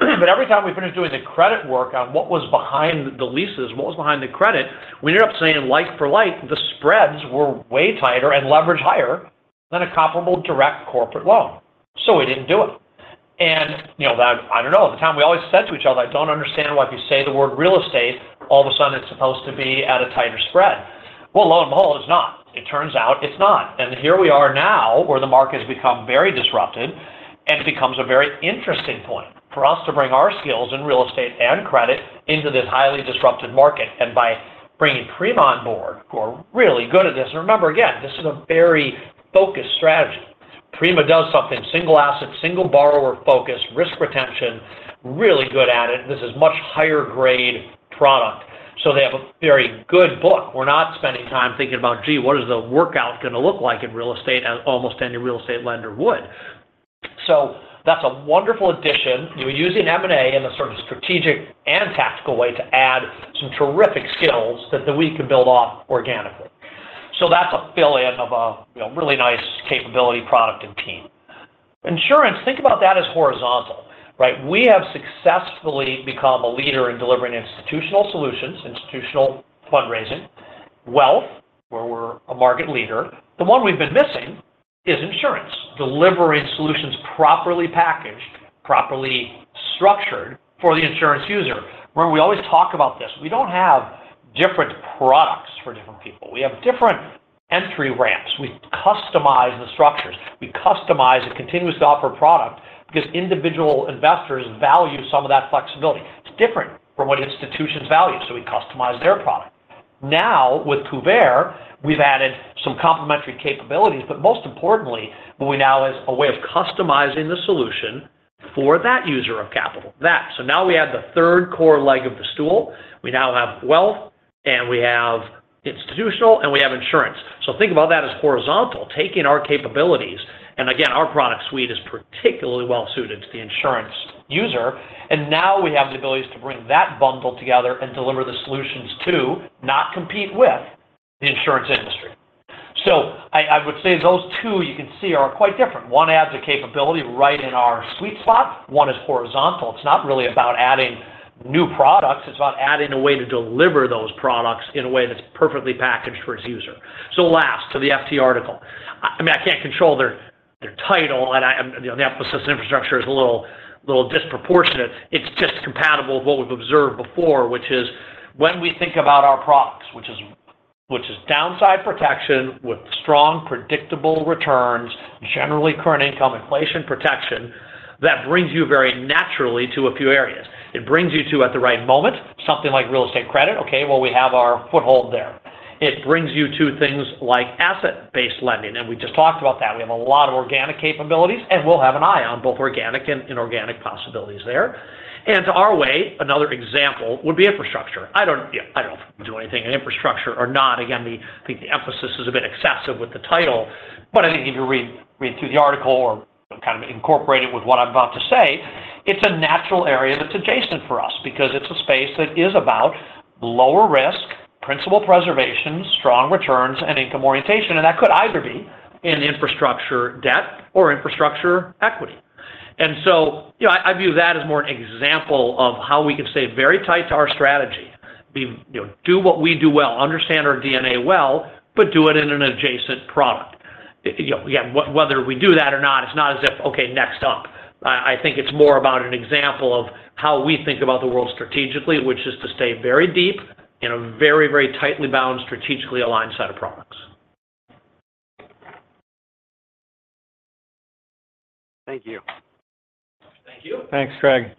But every time we finished doing the credit work on what was behind the leases, what was behind the credit, we ended up saying, like for like, the spreads were way tighter and leverage higher than a comparable direct corporate loan. So we didn't do it. And, you know, I don't know, the time we always said to each other, "I don't understand why if you say the word real estate, all of a sudden it's supposed to be at a tighter spread." Well, lo and behold, it's not. It turns out it's not. And here we are now, where the market has become very disrupted, and it becomes a very interesting point for us to bring our skills in real estate and credit into this highly disrupted market. And by bringing Prima on board, who are really good at this, and remember, again, this is a very focused strategy. Prima does something single asset, single borrower focus, risk retention, really good at it. This is much higher grade product, so they have a very good book. We're not spending time thinking about, gee, what is the workout gonna look like in real estate as almost any real estate lender would? So that's a wonderful addition. We're using M&A in a sort of strategic and tactical way to add some terrific skills that then we can build off organically. So that's a fill in of a, you know, really nice capability, product, and team. Insurance, think about that as horizontal, right? We have successfully become a leader in delivering institutional solutions, institutional fundraising, wealth, where we're a market leader. The one we've been missing is insurance, delivering solutions properly packaged, properly structured for the insurance user. Where we always talk about this, we don't have different products for different people. We have different entry ramps. We customize the structures. We customize and continuously offer product because individual investors value some of that flexibility. It's different from what institutions value, so we customize their product. Now, with Kuvare, we've added some complementary capabilities, but most importantly, we now has a way of customizing the solution for that user of capital, that. So now we add the third core leg of the stool. We now have wealth, and we have institutional, and we have insurance. So think about that as horizontal, taking our capabilities. And again, our product suite is particularly well suited to the insurance user, and now we have the abilities to bring that bundle together and deliver the solutions to, not compete with, the insurance industry. So I would say those two, you can see, are quite different. One adds a capability right in our sweet spot. One is horizontal. It's not really about adding new products, it's about adding a way to deliver those products in a way that's perfectly packaged for its user. So last, to the FT article. I mean, I can't control their title, and the emphasis on infrastructure is a little disproportionate. It's just compatible with what we've observed before, which is when we think about our products, which is, which is downside protection with strong, predictable returns, generally current income inflation protection, that brings you very naturally to a few areas. It brings you to, at the right moment, something like real estate credit. Okay, well, we have our foothold there. It brings you to things like asset-based lending, and we just talked about that. We have a lot of organic capabilities, and we'll have an eye on both organic and inorganic possibilities there. And to our way, another example would be infrastructure. I don't, yeah, I don't do anything in infrastructure or not. Again, the emphasis is a bit excessive with the title, but I think if you read through the article or kind of incorporate it with what I'm about to say, it's a natural area that's adjacent for us because it's a space that is about lower risk, principal preservation, strong returns, and income orientation. And that could either be in infrastructure debt or infrastructure equity. And so, you know, I view that as more an example of how we can stay very tight to our strategy, you know, do what we do well, understand our DNA well, but do it in an adjacent product. Yeah, yeah, whether we do that or not, it's not as if, okay, next up. I think it's more about an example of how we think about the world strategically, which is to stay very deep in a very, very tightly bound, strategically aligned set of products. Thank you. Thank you. Thanks, Craig.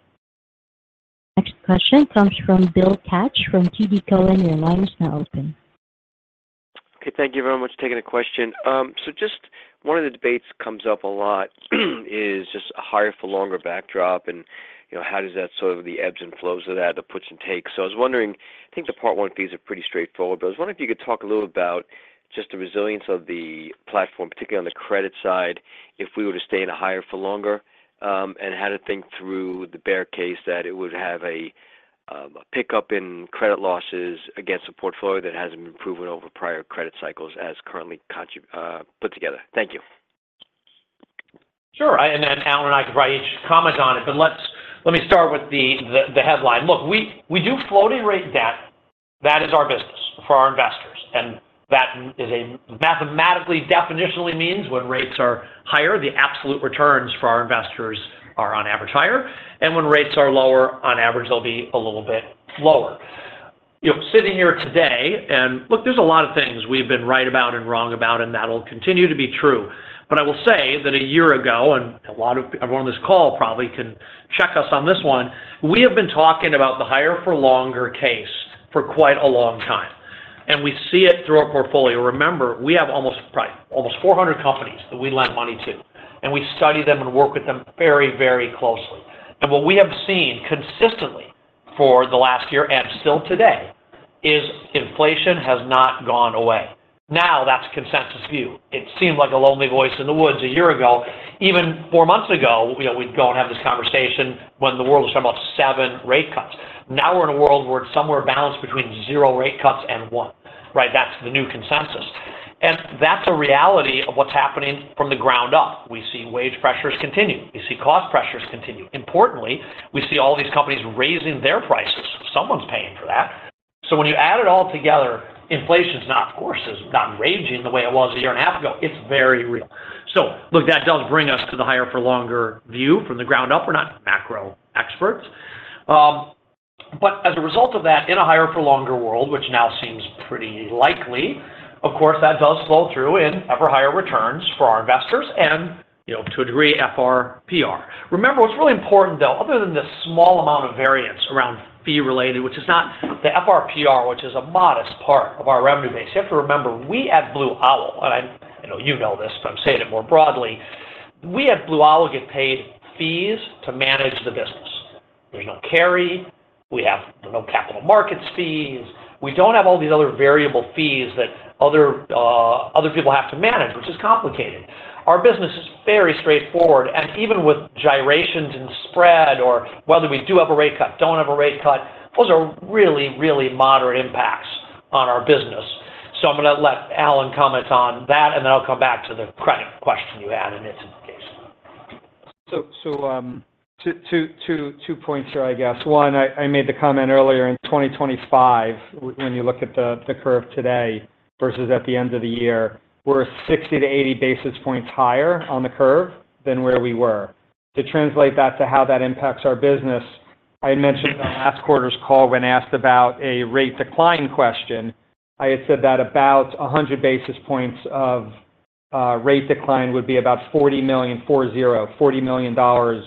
Next question comes from Bill Katz from TD Cowen. Your line is now open. Okay, thank you very much for taking the question. So just one of the debates comes up a lot, is just a higher for longer backdrop, and, you know, how does that sort of the ebbs and flows of that, the puts and takes. So I was wondering, I think the Part I fees are pretty straightforward, but I was wondering if you could talk a little about just the resilience of the platform, particularly on the credit side, if we were to stay in a higher for longer, and how to think through the bear case, that it would have a, a pickup in credit losses against a portfolio that hasn't been proven over prior credit cycles as currently put together. Thank you. Sure. And then Alan and I could probably each comment on it, but let me start with the headline. Look, we do floating rate debt. That is our business for our investors, and that is a mathematically definitionally means when rates are higher, the absolute returns for our investors are on average higher. And when rates are lower, on average, they'll be a little bit lower. You know, sitting here today, and look, there's a lot of things we've been right about and wrong about, and that'll continue to be true. But I will say that a year ago, and a lot of everyone on this call probably can check us on this one, we have been talking about the higher for longer case for quite a long time, and we see it through our portfolio. Remember, we have almost, right, almost 400 companies that we lend money to, and we study them and work with them very, very closely. What we have seen consistently for the last year and still today is inflation has not gone away. Now, that's consensus view. It seemed like a lonely voice in the woods a year ago. Even 4 months ago, you know, we'd go and have this conversation when the world was talking about seven rate cuts. Now, we're in a world where it's somewhere balanced between zero rate cuts and one, right? That's the new consensus. And that's a reality of what's happening from the ground up. We see wage pressures continue. We see cost pressures continue. Importantly, we see all these companies raising their prices. Someone's paying for that. So when you add it all together, inflation's not, of course, has gotten raging the way it was a year and a half ago. It's very real. So look, that does bring us to the higher for longer view from the ground up. We're not macro experts. But as a result of that, in a higher for longer world, which now seems pretty likely, of course, that does flow through in ever higher returns for our investors and, you know, to a degree, FRPR. Remember, what's really important, though, other than the small amount of variance around fee-related, which is not the FRPR, which is a modest part of our revenue base. You have to remember, we at Blue Owl, and I know you know this, but I'm saying it more broadly. We at Blue Owl get paid fees to manage the business. There's no carry, we have no capital markets fees. We don't have all these other variable fees that other, other people have to manage, which is complicated. Our business is very straightforward, and even with gyrations and spread or whether we do have a rate cut, don't have a rate cut, those are really, really moderate impacts on our business. So I'm gonna let Alan comment on that, and then I'll come back to the credit question you had in this case. So, two points here, I guess. One, I made the comment earlier in 2025, when you look at the curve today versus at the end of the year, we're 60-80 basis points higher on the curve than where we were. To translate that to how that impacts our business, I mentioned on last quarter's call when asked about a rate decline question, I had said that about 100 basis points of rate decline would be about $40 million, 4-0, $40 million dollars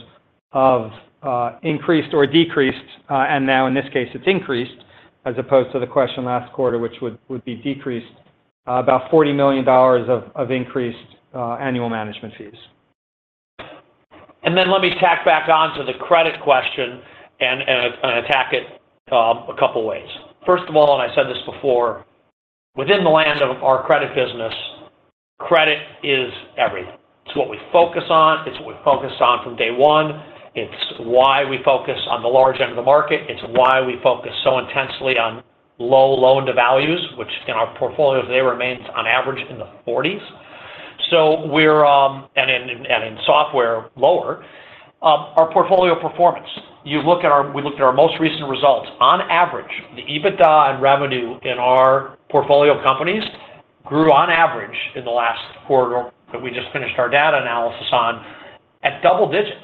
of increased or decreased, and now in this case, it's increased, as opposed to the question last quarter, which would be decreased, about $40 million dollars of increased annual management fees. And then let me tack back on to the credit question and attack it a couple ways. First of all, I said this before, within the land of our credit business, credit is everything. It's what we focus on. It's what we focused on from day one. It's why we focus on the large end of the market. It's why we focus so intensely on low loan to values, which in our portfolio today remains on average in the forties. So we're, and in software, lower. Our portfolio performance. You look at our. We looked at our most recent results. On average, the EBITDA and revenue in our portfolio companies grew on average in the last quarter that we just finished our data analysis on at double digits.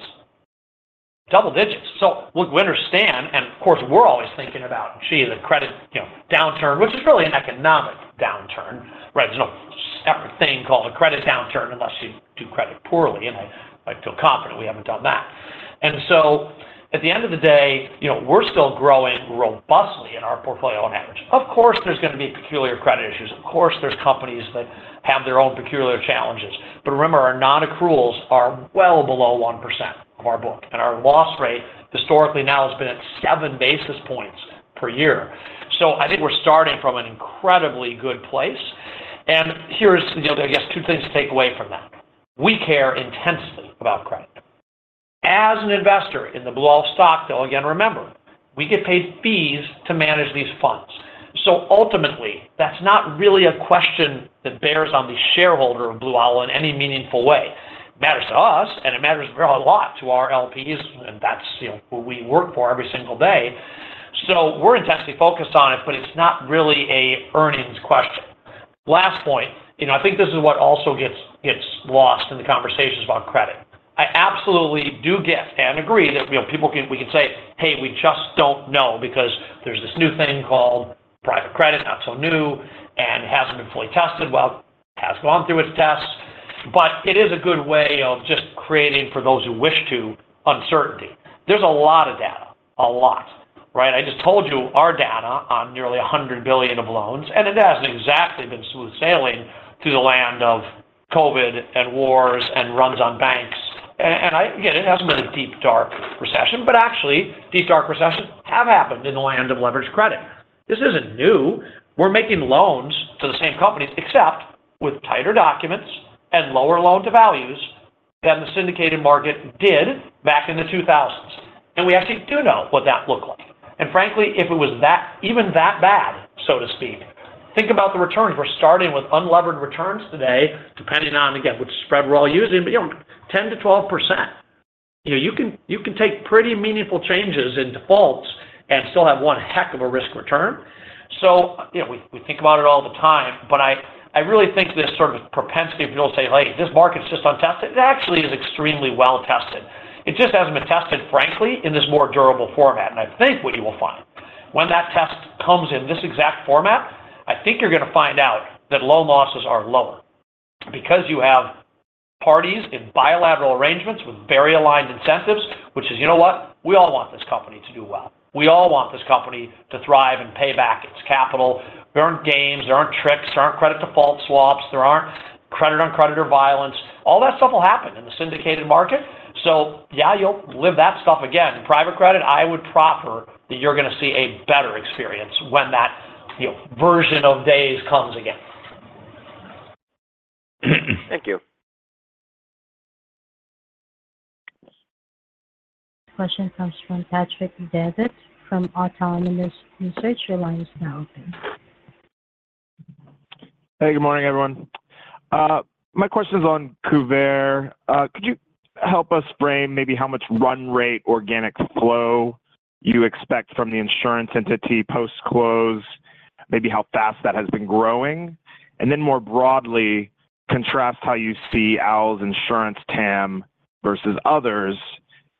Double digits. So look, we understand, and of course, we're always thinking about, gee, the credit, you know, downturn, which is really an economic downturn, right? There's no separate thing called a credit downturn unless you do credit poorly, and I, I feel confident we haven't done that. And so at the end of the day, you know, we're still growing robustly in our portfolio on average. Of course, there's gonna be peculiar credit issues. Of course, there's companies that have their own peculiar challenges. But remember, our non-accruals are well below 1% of our book, and our loss rate historically now has been at seven basis points per year. So I think we're starting from an incredibly good place. And here's, you know, I guess, two things to take away from that. We care intensely about credit. As an investor in the Blue Owl stock, though, again, remember, we get paid fees to manage these funds. So ultimately, that's not really a question that bears on the shareholder of Blue Owl in any meaningful way. It matters to us, and it matters a lot to our LPs, and that's, you know, who we work for every single day. So we're intensely focused on it, but it's not really a earnings question. Last point, you know, I think this is what also gets lost in the conversations about credit. I absolutely do get and agree that, you know, people can, we can say, "Hey, we just don't know, because there's this new thing called private credit, not so new, and hasn't been fully tested." Well, has gone through its tests, but it is a good way of just creating, for those who wish to, uncertainty. There's a lot of data, a lot, right? I just told you our data on nearly $100 billion of loans, and it hasn't exactly been smooth sailing through the land of COVID, and wars, and runs on banks. And I-- again, it hasn't been a deep, dark recession, but actually, deep, dark recessions have happened in the land of leveraged credit. This isn't new. We're making loans to the same companies, except with tighter documents and lower loan to values than the syndicated market did back in the 2000s. And we actually do know what that looked like. And frankly, if it was even that bad, so to speak, think about the returns. We're starting with unlevered returns today, depending on, again, which spread we're all using, but, you know, 10%-12%. You know, you can, you can take pretty meaningful changes in defaults and still have one heck of a risk return. So, you know, we, we think about it all the time, but I, I really think this sort of propensity of people to say, "Hey, this market is just untested." It actually is extremely well-tested. It just hasn't been tested, frankly, in this more durable format. And I think what you will find when that test comes in this exact format, I think you're gonna find out that loan losses are lower because you have parties in bilateral arrangements with very aligned incentives, which is, you know what? We all want this company to do well. We all want this company to thrive and pay back its capital. There aren't games, there aren't tricks, there aren't credit default swaps, there aren't creditor-on-creditor violence. All that stuff will happen in the syndicated market. So yeah, you'll live that stuff again. In private credit, I would proffer that you're gonna see a better experience when that, you know, version of days comes again. Thank you. Question comes from Patrick Davitt from Autonomous Research. Your line is now open. Hey, good morning, everyone. My question is on Kuvare. Could you help us frame maybe how much run rate organic flow you expect from the insurance entity post-close, maybe how fast that has been growing? And then more broadly, contrast how you see Owl's insurance TAM versus others,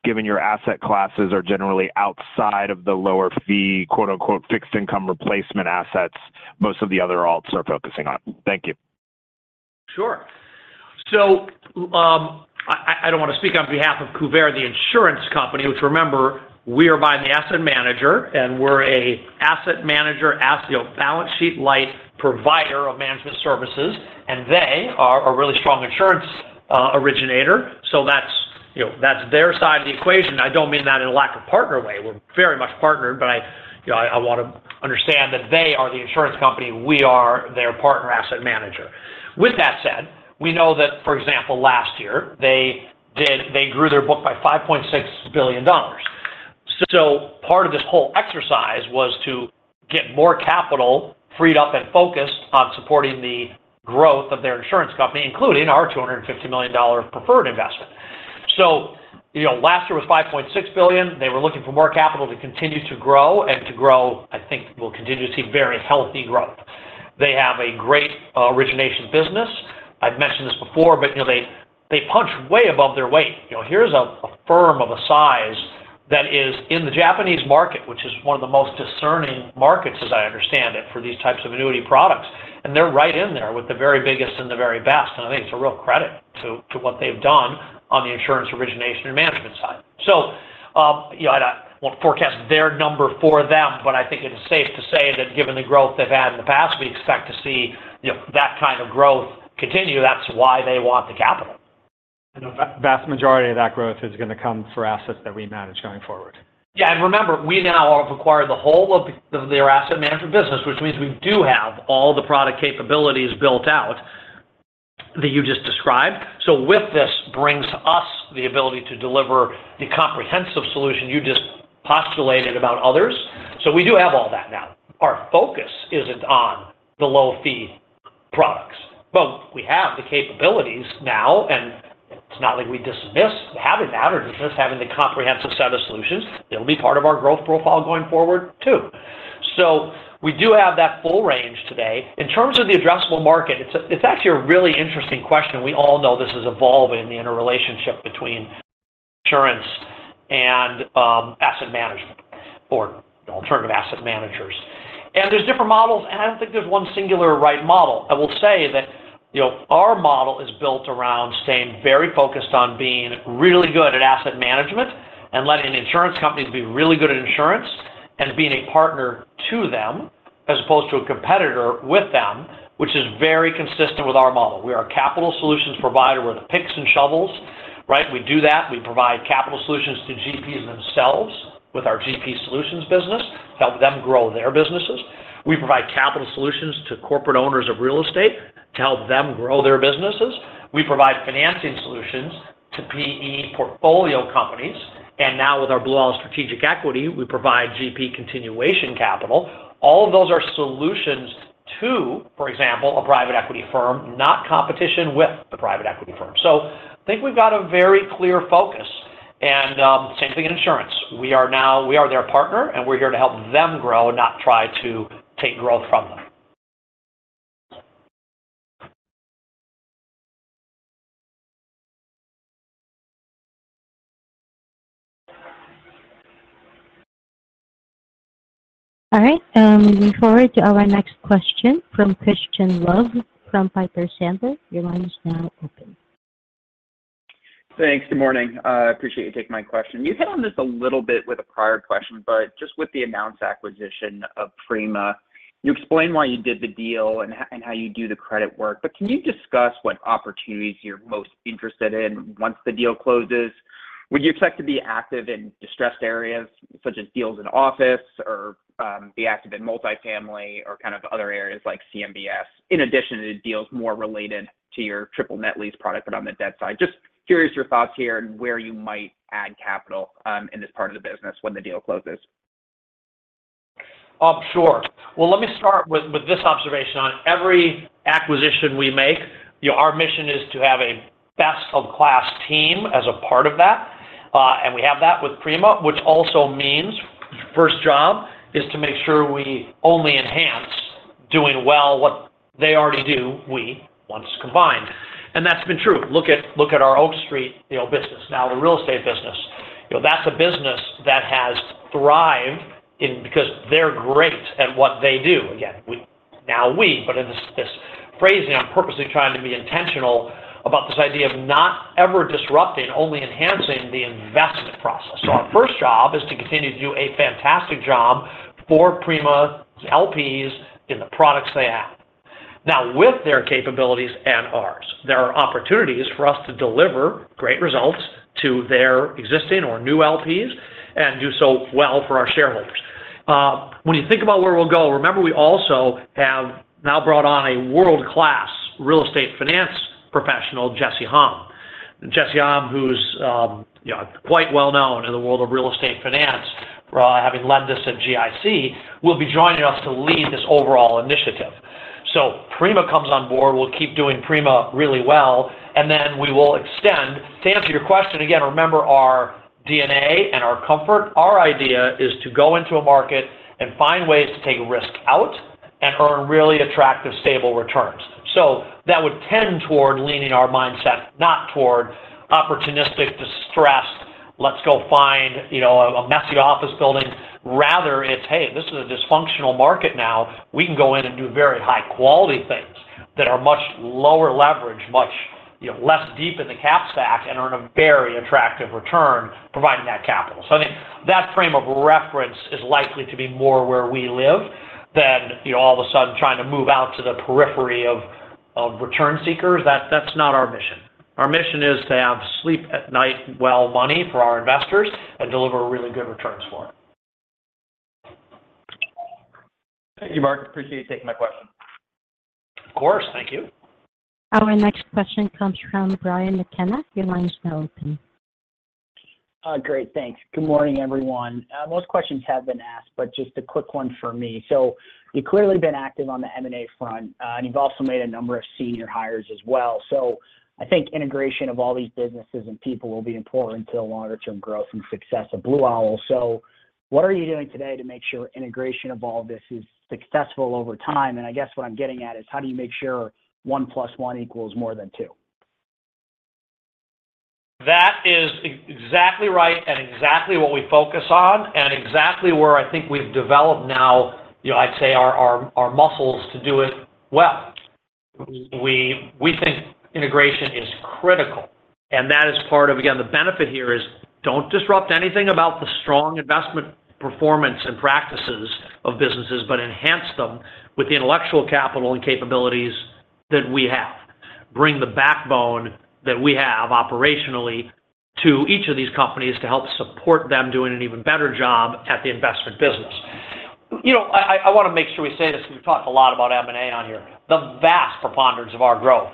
given your asset classes are generally outside of the lower fee, quote, unquote, "fixed income replacement assets" most of the other alts are focusing on. Thank you. Sure. So, I don't want to speak on behalf of Kuvare, the insurance company, which, remember, we are buying the asset manager, and we're a asset manager, as a balance sheet light provider of management services, and they are a really strong insurance originator. So that's, you know, that's their side of the equation. I don't mean that in a lack of partner way. We're very much partnered, but I, you know, I want to understand that they are the insurance company, we are their partner asset manager. With that said, we know that, for example, last year, they grew their book by $5.6 billion. So part of this whole exercise was to get more capital freed up and focused on supporting the growth of their insurance company, including our $250 million preferred investment. So, you know, last year was $5.6 billion. They were looking for more capital to continue to grow and to grow, I think, we'll continue to see very healthy growth. They have a great origination business. I've mentioned this before, but, you know, they punch way above their weight. You know, here's a firm of a size that is in the Japanese market, which is one of the most discerning markets, as I understand it, for these types of annuity products. And they're right in there with the very biggest and the very best, and I think it's a real credit to what they've done on the insurance origination and management side. Yeah, I don't want to forecast their number for them, but I think it is safe to say that given the growth they've had in the past, we expect to see, you know, that kind of growth continue. That's why they want the capital. The vast majority of that growth is gonna come for assets that we manage going forward. Yeah, and remember, we now have acquired the whole of their asset management business, which means we do have all the product capabilities built out that you just described. So with this brings us the ability to deliver the comprehensive solution you just postulated about others. So we do have all that now. Our focus isn't on the low-fee products, but we have the capabilities now, and it's not like we dismiss having that or dismiss having the comprehensive set of solutions. It'll be part of our growth profile going forward, too. So we do have that full range today. In terms of the addressable market, it's actually a really interesting question. We all know this is evolving, the interrelationship between insurance and asset management or alternative asset managers. And there's different models, and I don't think there's one singular right model. I will say that, you know, our model is built around staying very focused on being really good at asset management and letting insurance companies be really good at insurance and being a partner to them as opposed to a competitor with them, which is very consistent with our model. We are a capital solutions provider. We're the picks and shovels, right? We do that, we provide capital solutions to GPs themselves with our GP solutions business, help them grow their businesses. We provide capital solutions to corporate owners of real estate to help them grow their businesses. We provide financing solutions to PE portfolio companies, and now with our Blue Owl Strategic Equity, we provide GP continuation capital. All of those are solutions to, for example, a private equity firm, not competition with the private equity firm. So I think we've got a very clear focus. Same thing in insurance. We are their partner, and we're here to help them grow, not try to take growth from them. All right, moving forward to our next question from Crispin Love, from Piper Sandler. Your line is now open. Thanks. Good morning. I appreciate you taking my question. You hit on this a little bit with a prior question, but just with the announced acquisition of Prima, you explained why you did the deal and how you do the credit work. But can you discuss what opportunities you're most interested in once the deal closes? Would you expect to be active in distressed areas, such as deals in office or be active in multifamily or kind of other areas like CMBS, in addition to deals more related to your triple net lease product, but on the debt side? Just curious your thoughts here and where you might add capital in this part of the business when the deal closes. Sure. Well, let me start with, with this observation. On every acquisition we make, our mission is to have a best-of-class team as a part of that, and we have that with Prima, which also means the first job is to make sure we only enhance doing well what they already do, we, once combined. That's been true. Look at, look at our Oak Street, the old business, now the real estate business. You know, that's a business that has thrived in, because they're great at what they do. Again, we, now we, but in this, this phrasing, I'm purposely trying to be intentional about this idea of not ever disrupting, only enhancing the investment process. So our first job is to continue to do a fantastic job for Prima LPs in the products they have. Now, with their capabilities and ours, there are opportunities for us to deliver great results to their existing or new LPs and do so well for our shareholders. When you think about where we'll go, remember, we also have now brought on a world-class real estate finance professional, Jesse Hom. Jesse Hom, who's, you know, quite well known in the world of real estate finance, having led this at GIC, will be joining us to lead this overall initiative. So Prima comes on board, we'll keep doing Prima really well, and then we will extend. To answer your question, again, remember our DNA and our comfort. Our idea is to go into a market and find ways to take risk out and earn really attractive, stable returns. So that would tend toward leaning our mindset, not toward opportunistic, distressed, let's go find, you know, a messy office building. Rather, it's, "Hey, this is a dysfunctional market now. We can go in and do very high quality things that are much lower leverage, much, you know, less deep in the cap stack and earn a very attractive return providing that capital." So I think that frame of reference is likely to be more where we live than, you know, all of a sudden trying to move out to the periphery of return seekers. That's not our mission. Our mission is to have sleep-at-night-well money for our investors and deliver really good returns for them. Thank you, Marc. Appreciate you taking my question. Of course. Thank you. Our next question comes from Brian McKenna. Your line is now open. Great, thanks. Good morning, everyone. Most questions have been asked, but just a quick one for me. So you've clearly been active on the M&A front, and you've also made a number of senior hires as well. So I think integration of all these businesses and people will be important to the longer-term growth and success of Blue Owl. So what are you doing today to make sure integration of all this is successful over time? And I guess what I'm getting at is, how do you make sure 1 + 1 equals more than 2? That is exactly right, and exactly what we focus on, and exactly where I think we've developed now, you know, I'd say, our muscles to do it well. We think integration is critical, and that is part of, again, the benefit here is, don't disrupt anything about the strong investment performance and practices of businesses, but enhance them with the intellectual capital and capabilities that we have. Bring the backbone that we have operationally to each of these companies to help support them doing an even better job at the investment business. You know, I want to make sure we say this, we've talked a lot about M&A on here. The vast preponderance of our growth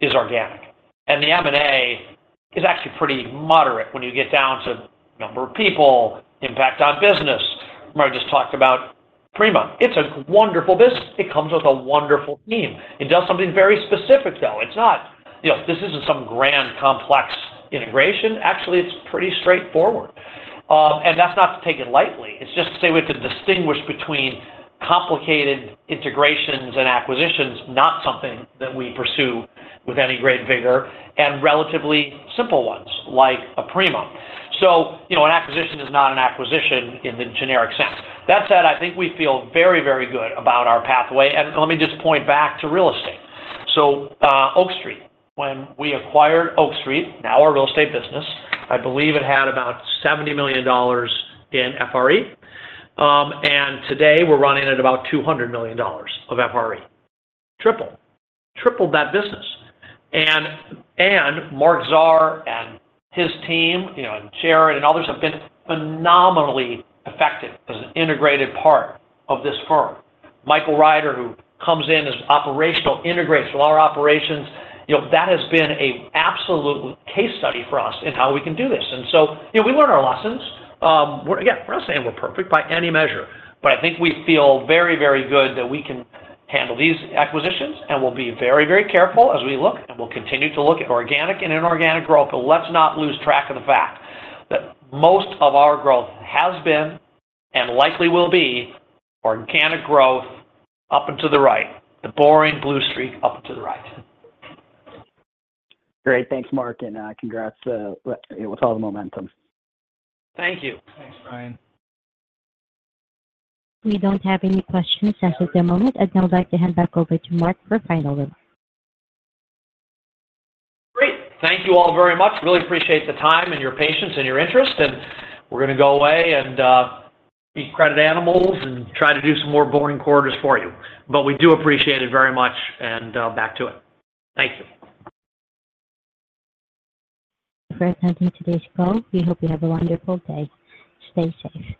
is organic, and the M&A is actually pretty moderate when you get down to number of people, impact on business. Mark just talked about Prima. It's a wonderful business. It comes with a wonderful team. It does something very specific, though. It's not. You know, this isn't some grand, complex integration. Actually, it's pretty straightforward. And that's not to take it lightly. It's just to say we have to distinguish between complicated integrations and acquisitions, not something that we pursue with any great vigor, and relatively simple ones, like a Prima. So, you know, an acquisition is not an acquisition in the generic sense. That said, I think we feel very, very good about our pathway, and let me just point back to real estate. So, Oak Street. When we acquired Oak Street, now our real estate business, I believe it had about $70 million in FRE, and today, we're running at about $200 million of FRE. Triple. Tripled that business. And Mark Zahr and his team, you know, and Jared and others, have been phenomenally effective as an integrated part of this firm. Michael Ryder, who comes in as operational, integrates with our operations. You know, that has been an absolute case study for us in how we can do this. And so, you know, we learn our lessons. We're, again, we're not saying we're perfect by any measure, but I think we feel very, very good that we can handle these acquisitions, and we'll be very, very careful as we look, and we'll continue to look at organic and inorganic growth. But let's not lose track of the fact that most of our growth has been, and likely will be, organic growth, up and to the right. The boring Blue Owl, up and to the right. Great. Thanks, Marc, and congrats with all the momentum. Thank you. Thanks, Brian. We don't have any questions as of the moment. I'd now like to hand back over to Marc for final remarks. Great. Thank you all very much. Really appreciate the time and your patience and your interest, and we're going to go away and be credit animals and try to do some more boring quarters for you. But we do appreciate it very much, and back to it. Thank you. Thanks for attending today's call. We hope you have a wonderful day. Stay safe.